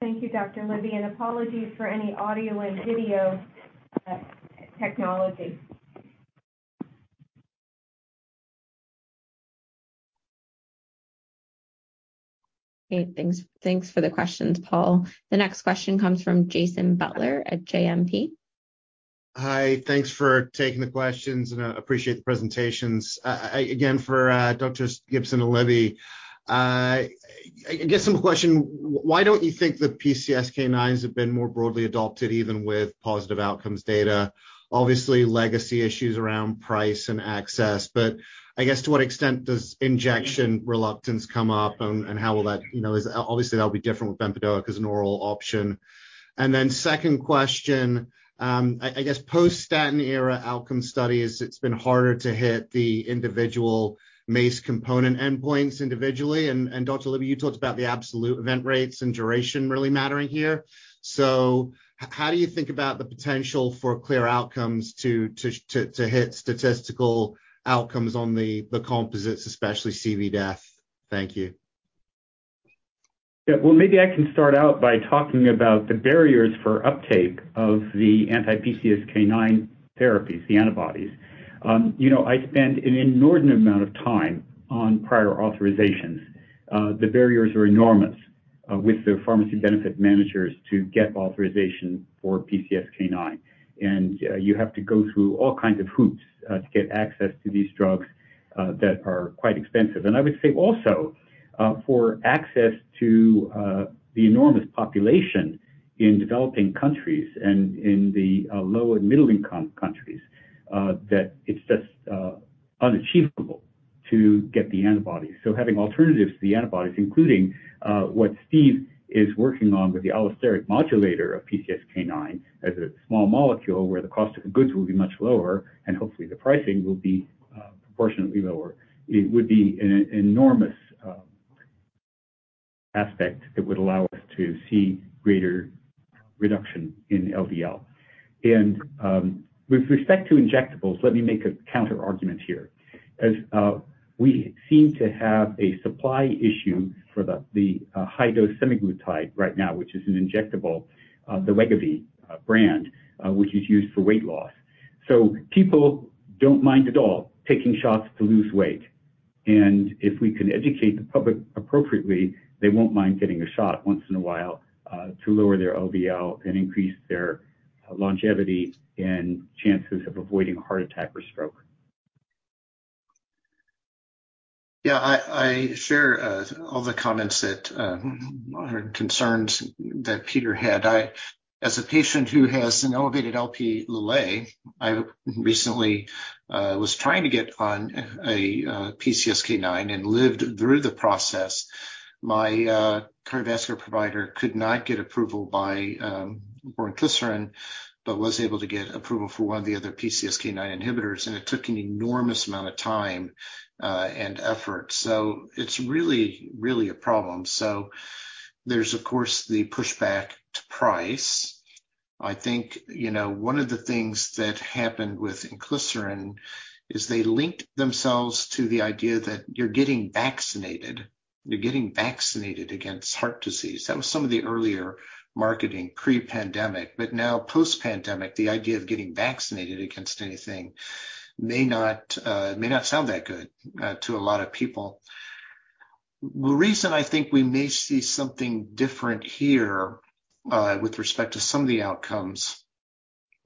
Thank you, Dr. Libby, and apologies for any audio and video technology. Great. Thanks for the questions, Paul. The next question comes from Jason Butler at JMP. Hi. Thanks for taking the questions, and I appreciate the presentations. Again, for doctors Gibson and Libby, I guess some question, why don't you think the PCSK9s have been more broadly adopted even with positive outcomes data? Obviously, legacy issues around price and access, but I guess to what extent does injection reluctance come up and how will that obviously be different with bempedoic as an oral option. Then second question, I guess post-statin era outcome studies, it's been harder to hit the individual MACE component endpoints individually and Dr. Libby, you talked about the absolute event rates and duration really mattering here. How do you think about the potential for CLEAR Outcomes to hit statistical outcomes on the composites, especially CV death? Thank you. Yeah. Well, maybe I can start out by talking about the barriers for uptake of the anti-PCSK9 therapies, the antibodies. You know, I spend an inordinate amount of time on prior authorizations. The barriers are enormous with the pharmacy benefit managers to get authorization for PCSK9. You have to go through all kinds of hoops to get access to these drugs that are quite expensive. I would say also for access to the enormous population in developing countries and in the low and middle-income countries that it's just unachievable to get the antibodies. Having alternatives to the antibodies, including what Steve is working on with the allosteric modulator of PCSK9 as a small molecule where the cost of the goods will be much lower, and hopefully the pricing will be proportionately lower. It would be an enormous aspect that would allow us to see greater reduction in LDL. With respect to injectables, let me make a counterargument here. We seem to have a supply issue for the high-dose semaglutide right now, which is an injectable, the Wegovy brand, which is used for weight loss. People don't mind at all taking shots to lose weight, and if we can educate the public appropriately, they won't mind getting a shot once in a while to lower their LDL and increase their longevity and chances of avoiding heart attack or stroke. Yeah, I share all the comments that or concerns that Peter had. As a patient who has an elevated Lp(a), I recently was trying to get on a PCSK9 and lived through the process. My cardiovascular provider could not get approval for inclisiran, but was able to get approval for one of the other PCSK9 inhibitors, and it took an enormous amount of time and effort. It's really a problem. There's, of course, the pushback to price. I think, you know, one of the things that happened with inclisiran is they linked themselves to the idea that you're getting vaccinated. You're getting vaccinated against heart disease. That was some of the earlier marketing pre-pandemic. Now post-pandemic, the idea of getting vaccinated against anything may not sound that good to a lot of people. The reason I think we may see something different here with respect to some of the outcomes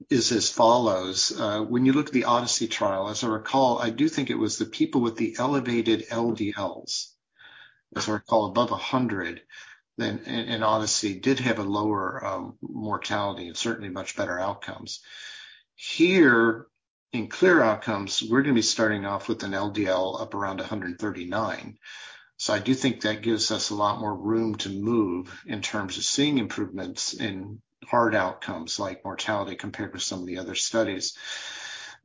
is as follows. When you look at the ODYSSEY trial, as I recall, I do think it was the people with the elevated LDLs, as I recall, above 100, then in ODYSSEY did have a lower mortality and certainly much better outcomes. Here in CLEAR Outcomes, we're going to be starting off with an LDL up around 139. So I do think that gives us a lot more room to move in terms of seeing improvements in hard outcomes like mortality compared with some of the other studies.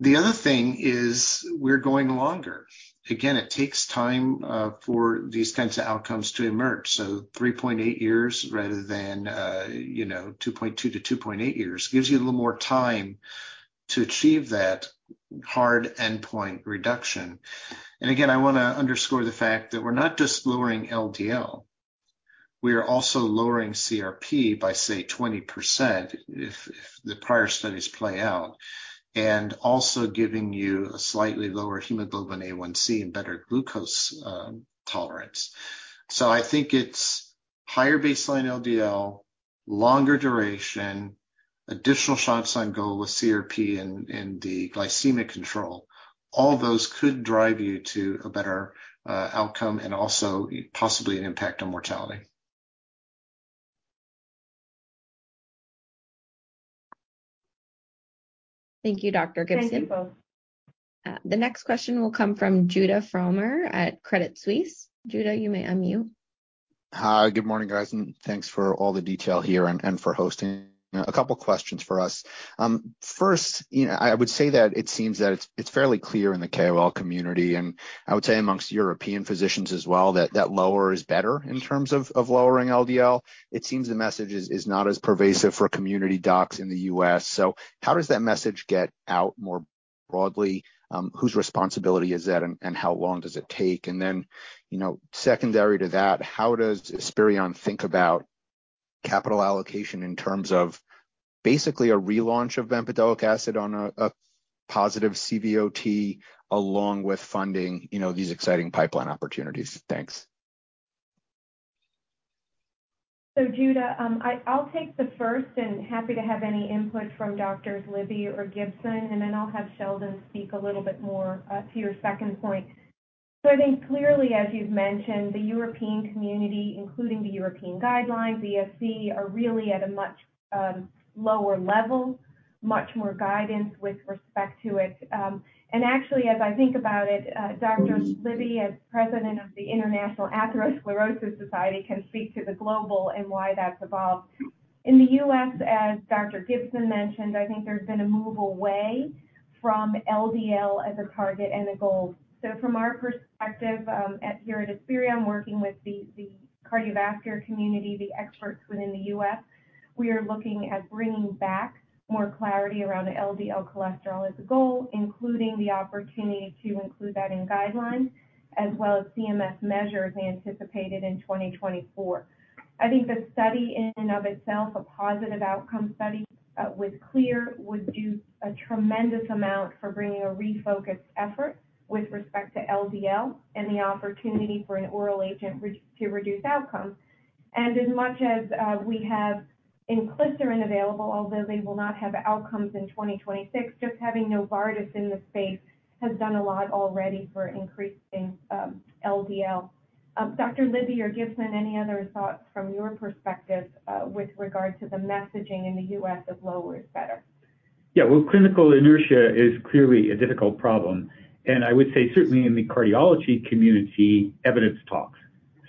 The other thing is we're going longer. Again, it takes time for these kinds of outcomes to emerge. So 3.8 years rather than you know, 2.2-2.8 years gives you a little more time to achieve that hard endpoint reduction. I want to underscore the fact that we're not just lowering LDL. We are also lowering CRP by, say, 20% if the prior studies play out, and also giving you a slightly lower hemoglobin A1c and better glucose tolerance. I think it's higher baseline LDL, longer duration, additional shots on goal with CRP and the glycemic control. All those could drive you to a better outcome and also possibly an impact on mortality. Thank you, Dr. Gibson. Thank you both. The next question will come from Judah Frommer at Credit Suisse. Judah, you may unmute. Hi. Good morning, guys, and thanks for all the detail here and for hosting. A couple questions for us. First, you know, I would say that it seems that it's fairly clear in the KOL community, and I would say amongst European physicians as well, that lower is better in terms of lowering LDL. It seems the message is not as pervasive for community docs in the U.S. How does that message get out more broadly? Whose responsibility is that, and how long does it take? Then, you know, secondary to that, how does Esperion think about capital allocation in terms of basically a relaunch of bempedoic acid on a positive CVOT along with funding, you know, these exciting pipeline opportunities? Thanks. Judah, I'll take the first and happy to have any input from Doctors Libby or Gibson, and then I'll have Sheldon speak a little bit more to your second point. I think clearly, as you've mentioned, the European community, including the European guidelines, ESC, are really at a much lower level, much more guidance with respect to it. Actually, as I think about it, Dr. Libby, as President of the International Atherosclerosis Society, can speak to the global and why that's evolved. In the U.S., as Dr. Gibson mentioned, I think there's been a move away from LDL as a target and a goal. From our perspective, here at Esperion working with the cardiovascular community, the experts within the U.S., we are looking at bringing back more clarity around LDL cholesterol as a goal, including the opportunity to include that in guidelines, as well as CMS measures anticipated in 2024. I think the study in and of itself, a positive outcome study, with CLEAR would do a tremendous amount for bringing a refocused effort with respect to LDL and the opportunity for an oral agent to reduce outcomes. As much as we have inclisiran available, although they will not have outcomes in 2026, just having Novartis in the space has done a lot already for increasing LDL. Dr. Libby or Gibson, any other thoughts from your perspective with regard to the messaging in the U.S. of lower is better? Yeah. Well, clinical inertia is clearly a difficult problem. I would say certainly in the cardiology community, evidence talks.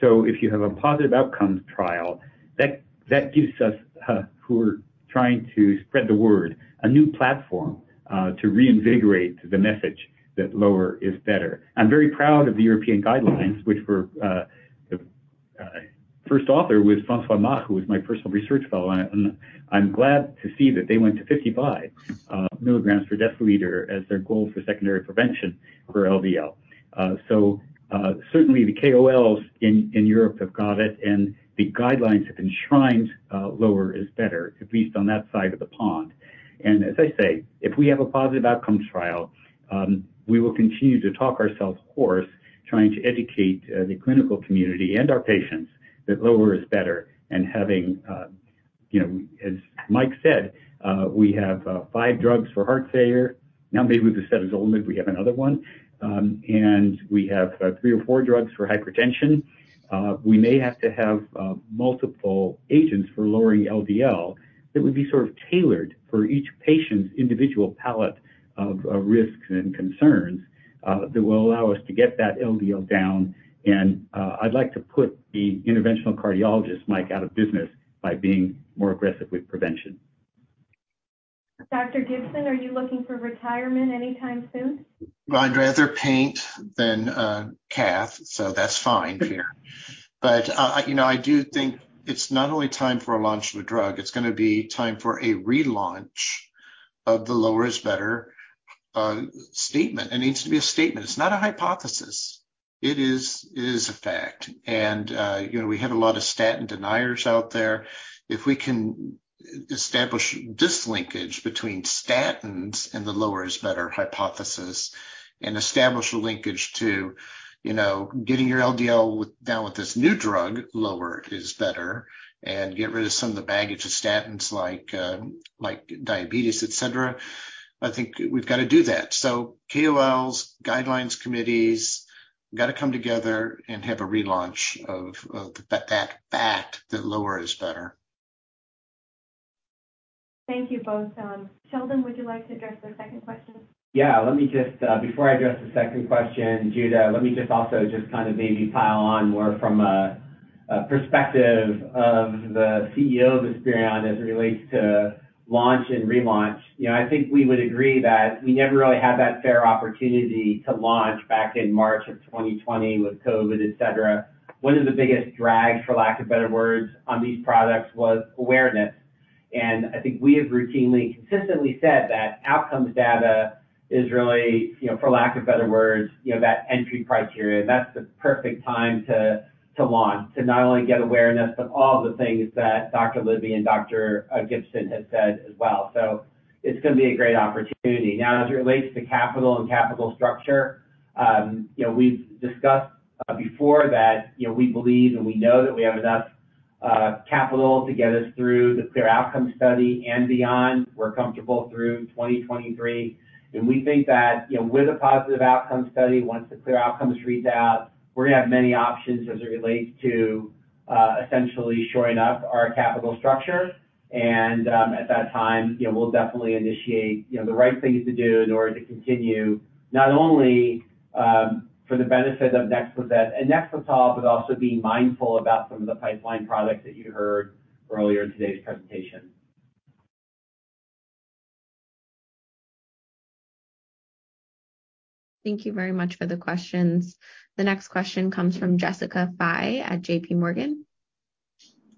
If you have a positive outcomes trial, that gives us, who are trying to spread the word, a new platform to reinvigorate the message that lower is better. I'm very proud of the European guidelines, which were the first author was François Mach, who was my personal research fellow. I'm glad to see that they went to 55 mg per 1 dl as their goal for secondary prevention for LDL. Certainly the KOLs in Europe have got it, and the guidelines have enshrined lower is better, at least on that side of the pond. As I say, if we have a positive outcomes trial, we will continue to talk ourselves hoarse trying to educate the clinical community and our patients that lower is better. Having, you know, as Mike said, we have five drugs for heart failure. Now maybe with the vericiguat, we have another one. We have three or four drugs for hypertension. We may have to have multiple agents for lowering LDL that would be sort of tailored for each patient's individual palate of risks and concerns that will allow us to get that LDL down. I'd like to put the interventional cardiologist, Mike, out of business by being more aggressive with prevention. Dr. Gibson, are you looking for retirement anytime soon? Well, I'd rather paint than cath, so that's fine here. You know, I do think it's not only time for a launch of a drug, it's going to be time for a relaunch of the lower-is-better statement. It needs to be a statement. It's not a hypothesis. It is a fact. You know, we have a lot of statin deniers out there. If we can establish dislinkage between statins and the lower-is-better hypothesis and establish a linkage to, you know, getting your LDL down with this new drug, lower is better, and get rid of some of the baggage of statins like diabetes, etc., I think we've got to do that. KOLs, guidelines committees, got to come together and have a relaunch of that fact that lower is better. Thank you both. Sheldon, would you like to address the second question? Yeah. Let me just before I address the second question, Judah, let me just also just kind of maybe pile on more from a perspective of the CEO of Esperion as it relates to launch and relaunch. You know, I think we would agree that we never really had that fair opportunity to launch back in March of 2020 with COVID, etc. One of the biggest drags, for lack of better words, on these products was awareness. I think we have routinely and consistently said that outcomes data is really, you know, for lack of better words, you know, that entry criteria. That's the perfect time to launch, to not only get awareness, but all the things that Dr. Libby and Dr. Gibson have said as well. It's going to be a great opportunity. Now, as it relates to capital and capital structure, you know, we've discussed before that, you know, we believe and we know that we have enough capital to get us through the CLEAR Outcomes study and beyond. We're comfortable through 2023. We think that, you know, with a positive outcome study, once the CLEAR Outcomes read out, we're going to have many options as it relates to essentially shoring up our capital structure. At that time, you know, we'll definitely initiate, you know, the right things to do in order to continue not only for the benefit of NEXLIZET and NEXLETOL, but also being mindful about some of the pipeline products that you heard earlier in today's presentation. Thank you very much for the questions. The next question comes from Jessica Fye at JPMorgan.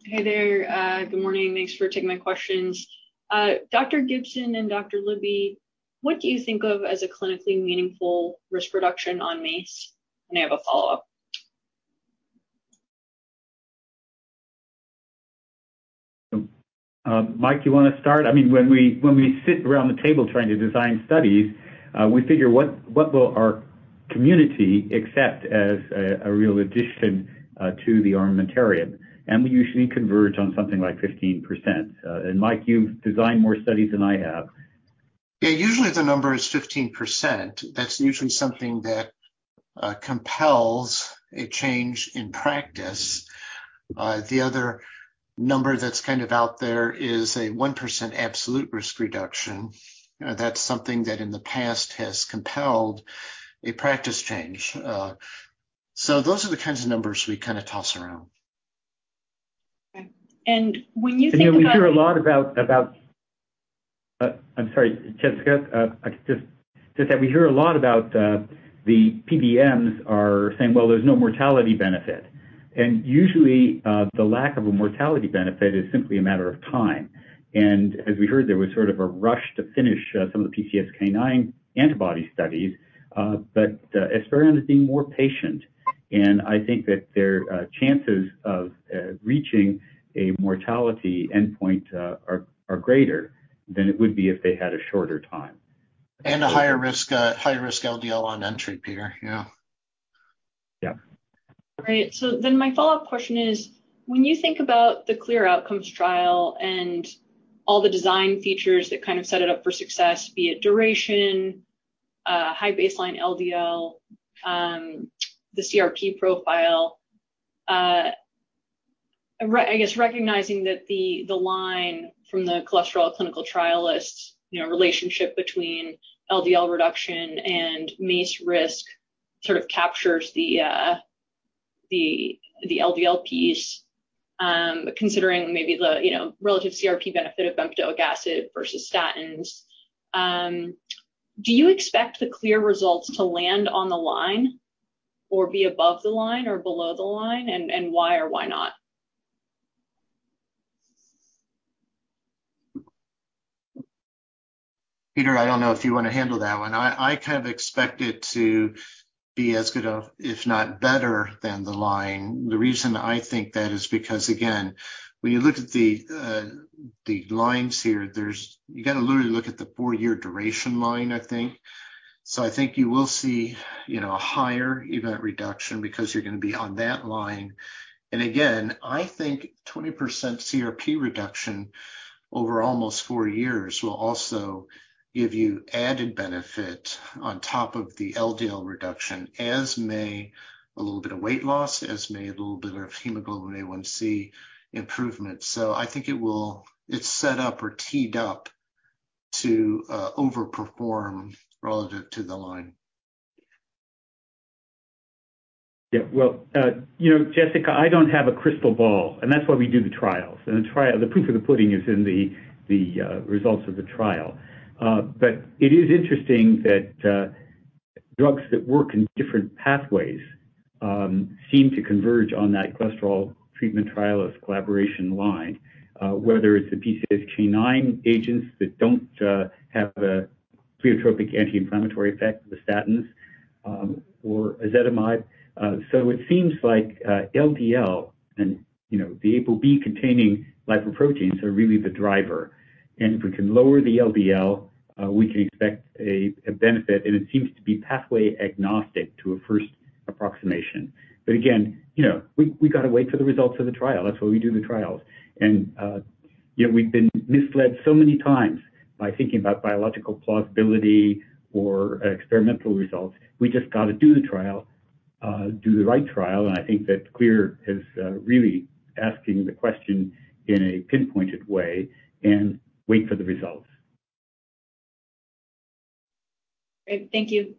Hey there. Good morning. Thanks for taking my questions. Dr. Gibson and Dr. Libby, what do you think of as a clinically meaningful risk reduction on MACE? I have a follow-up. Mike, you want to start? I mean, when we sit around the table trying to design studies, we figure what will our community accept as a real addition to the armamentarium? We usually converge on something like 15%. Mike, you've designed more studies than I have. Yeah, usually the number is 15%. That's usually something that compels a change in practice. The other number that's kind of out there is a 1% absolute risk reduction. That's something that in the past has compelled a practice change. Those are the kinds of numbers we kind of toss around. Okay. I'm sorry, Jessica. Just that we hear a lot about the PBMs are saying, "Well, there's no mortality benefit." Usually, the lack of a mortality benefit is simply a matter of time. As we heard, there was sort of a rush to finish some of the PCSK9 antibody studies. Esperion is being more patient, and I think that their chances of reaching a mortality endpoint are greater than it would be if they had a shorter time. A higher risk, high-risk LDL on entry, Peter. Yeah. Yeah. Great. My follow-up question is, when you think about the CLEAR Outcomes trial and all the design features that kind of set it up for success, be it duration, high baseline LDL, the CRP profile, I guess recognizing that the line from the Cholesterol Treatment Trialists, you know, relationship between LDL reduction and MACE risk sort of captures the LDL piece, considering maybe the, you know, relative CRP benefit of bempedoic acid versus statins, do you expect the CLEAR results to land on the line or be above the line or below the line, and why or why not? Peter, I don't know if you want to handle that one. I kind of expect it to be as good as, if not better than the line. The reason I think that is because again, when you look at the lines here, there's. You got to literally look at the four-year duration line, I think. I think you will see, you know, a higher event reduction because you're going to be on that line. I think 20% CRP reduction over almost four years will also give you added benefit on top of the LDL reduction, as may a little bit of weight loss, as may a little bit of hemoglobin A1c improvement. I think it will. It's set up or teed up to overperform relative to the line. Yeah, well, you know, Jessica, I don't have a crystal ball, and that's why we do the trials. The proof of the pudding is in the results of the trial. It is interesting that drugs that work in different pathways seem to converge on that cholesterol treatment trial as collaboration line. Whether it's the PCSK9 agents that don't have a pleiotropic anti-inflammatory effect, the statins, or ezetimibe. It seems like LDL and, you know, the ApoB-containing lipoproteins are really the driver. If we can lower the LDL, we can expect a benefit, and it seems to be pathway-agnostic to a first approximation. Again, you know, we gotta wait for the results of the trial. That's why we do the trials. You know, we've been misled so many times by thinking about biological plausibility or experimental results. We just gotta do the right trial, and I think that CLEAR is really asking the question in a pinpointed way and wait for the results. Great. Thank you.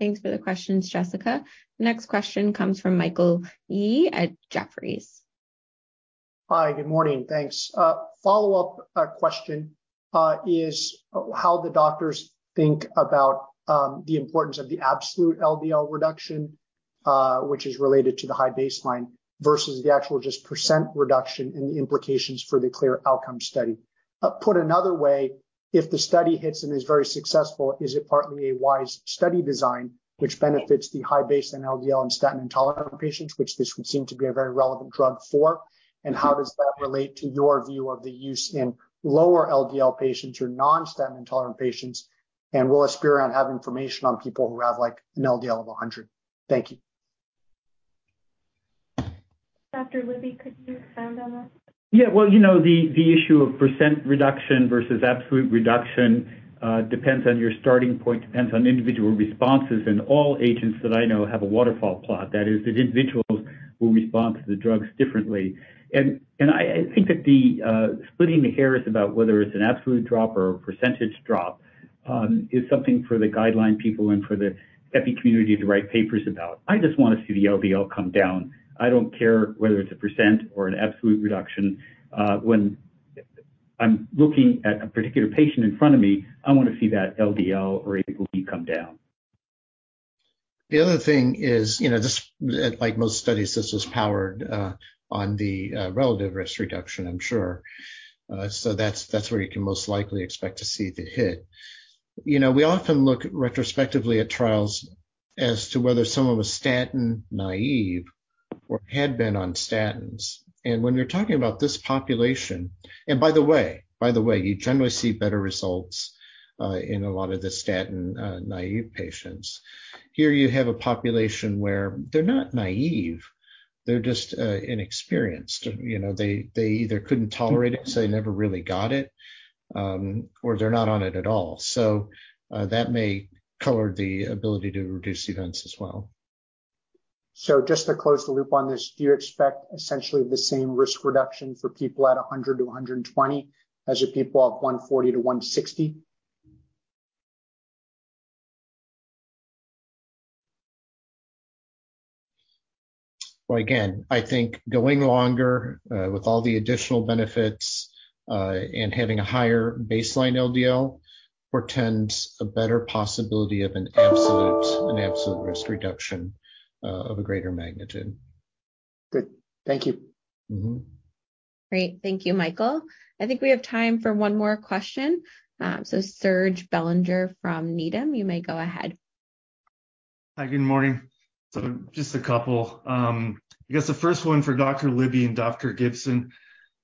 Thanks for the questions, Jessica. Next question comes from Michael Yee at Jefferies. Hi, good morning. Thanks. A follow-up question is how the doctors think about the importance of the absolute LDL reduction, which is related to the high baseline, versus the actual just percent reduction and the implications for the CLEAR Outcomes study. Put another way, if the study hits and is very successful, is it partly a wise study design which benefits the high baseline LDL and statin-intolerant patients, which this would seem to be a very relevant drug for? And how does that relate to your view of the use in lower LDL patients or non-statin-intolerant patients? And will Esperion have information on people who have, like, an LDL of 100? Thank you. Dr. Libby, could you expound on that? Yeah. Well, you know, the issue of percent reduction versus absolute reduction depends on your starting point, depends on individual responses. All agents that I know have a waterfall plot, that is that individuals will respond to the drugs differently. I think that the splitting hairs about whether it's an absolute drop or a percentage drop is something for the guideline people and for the epi community to write papers about. I just want to see the LDL come down. I don't care whether it's a percent or an absolute reduction. When I'm looking at a particular patient in front of me, I want to see that LDL or ApoB come down. The other thing is, you know, this, like most studies, this was powered on the relative risk reduction, I'm sure. So that's where you can most likely expect to see the hit. You know, we often look retrospectively at trials as to whether someone was statin naive or had been on statins. When you're talking about this population. By the way, you generally see better results in a lot of the statin naive patients. Here you have a population where they're not naive, they're just inexperienced. You know, they either couldn't tolerate it, so they never really got it, or they're not on it at all. So that may color the ability to reduce events as well. Just to close the loop on this, do you expect essentially the same risk reduction for people at 100-120 as the people at 140-160? Well, again, I think going longer, with all the additional benefits, and having a higher baseline LDL portends a better possibility of an absolute risk reduction, of a greater magnitude. Good. Thank you. Great. Thank you, Michael. I think we have time for one more question. Serge Belanger from Needham, you may go ahead. Hi. Good morning. Just a couple. I guess the first one for Dr. Libby and Dr. Gibson,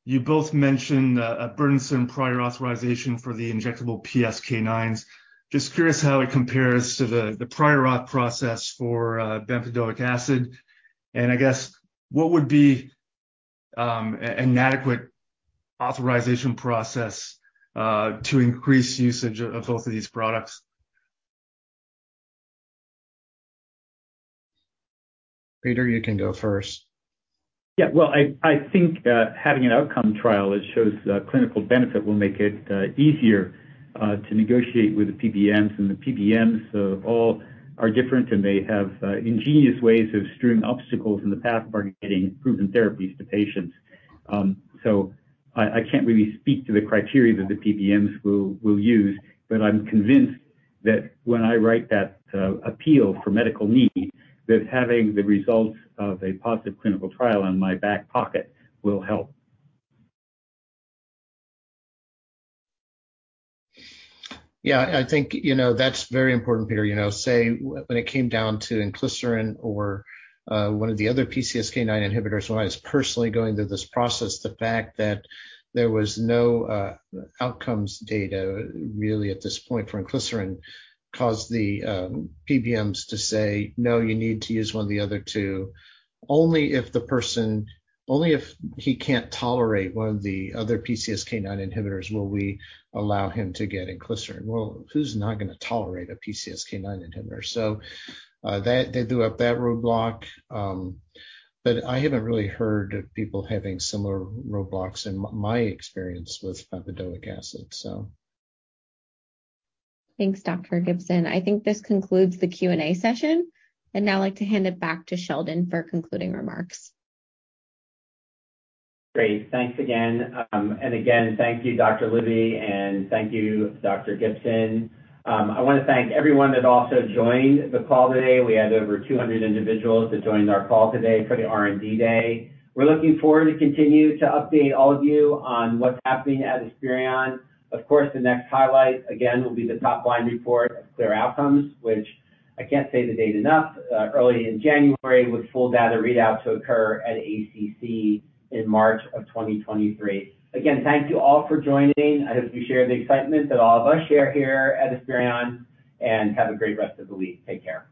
you both mentioned a burdensome prior authorization for the injectable PCSK9s. Just curious how it compares to the prior auth process for bempedoic acid. I guess what would be an adequate authorization process to increase usage of both of these products? Peter, you can go first. Yeah. Well, I think having an outcome trial that shows clinical benefit will make it easier to negotiate with the PBMs. The PBMs all are different, and they have ingenious ways of strewing obstacles in the path of getting proven therapies to patients. I can't really speak to the criteria that the PBMs will use, but I'm convinced that when I write that appeal for medical need, that having the results of a positive clinical trial in my back pocket will help. Yeah. I think, you know, that's very important, Peter. You know, say when it came down to inclisiran or one of the other PCSK9 inhibitors, when I was personally going through this process, the fact that there was no outcomes data really at this point for inclisiran caused the PBMs to say, "No, you need to use one of the other two. Only if he can't tolerate one of the other PCSK9 inhibitors will we allow him to get inclisiran." Well, who's not going to tolerate a PCSK9 inhibitor? So that they threw up that roadblock. But I haven't really heard of people having similar roadblocks in my experience with bempedoic acid. So. Thanks, Dr. Gibson. I think this concludes the Q&A session. I'd now like to hand it back to Sheldon for concluding remarks. Great. Thanks again. Again, thank you, Dr. Libby, and thank you, Dr. Gibson. I want to thank everyone that also joined the call today. We had over 200 individuals that joined our call today for the R&D Day. We're looking forward to continue to update all of you on what's happening at Esperion. Of course, the next highlight, again, will be the top-line report of CLEAR Outcomes, which I can't say the date enough, early in January, with full data readout to occur at ACC in March 2023. Again, thank you all for joining. I hope you share the excitement that all of us share here at Esperion, and have a great rest of the week. Take care.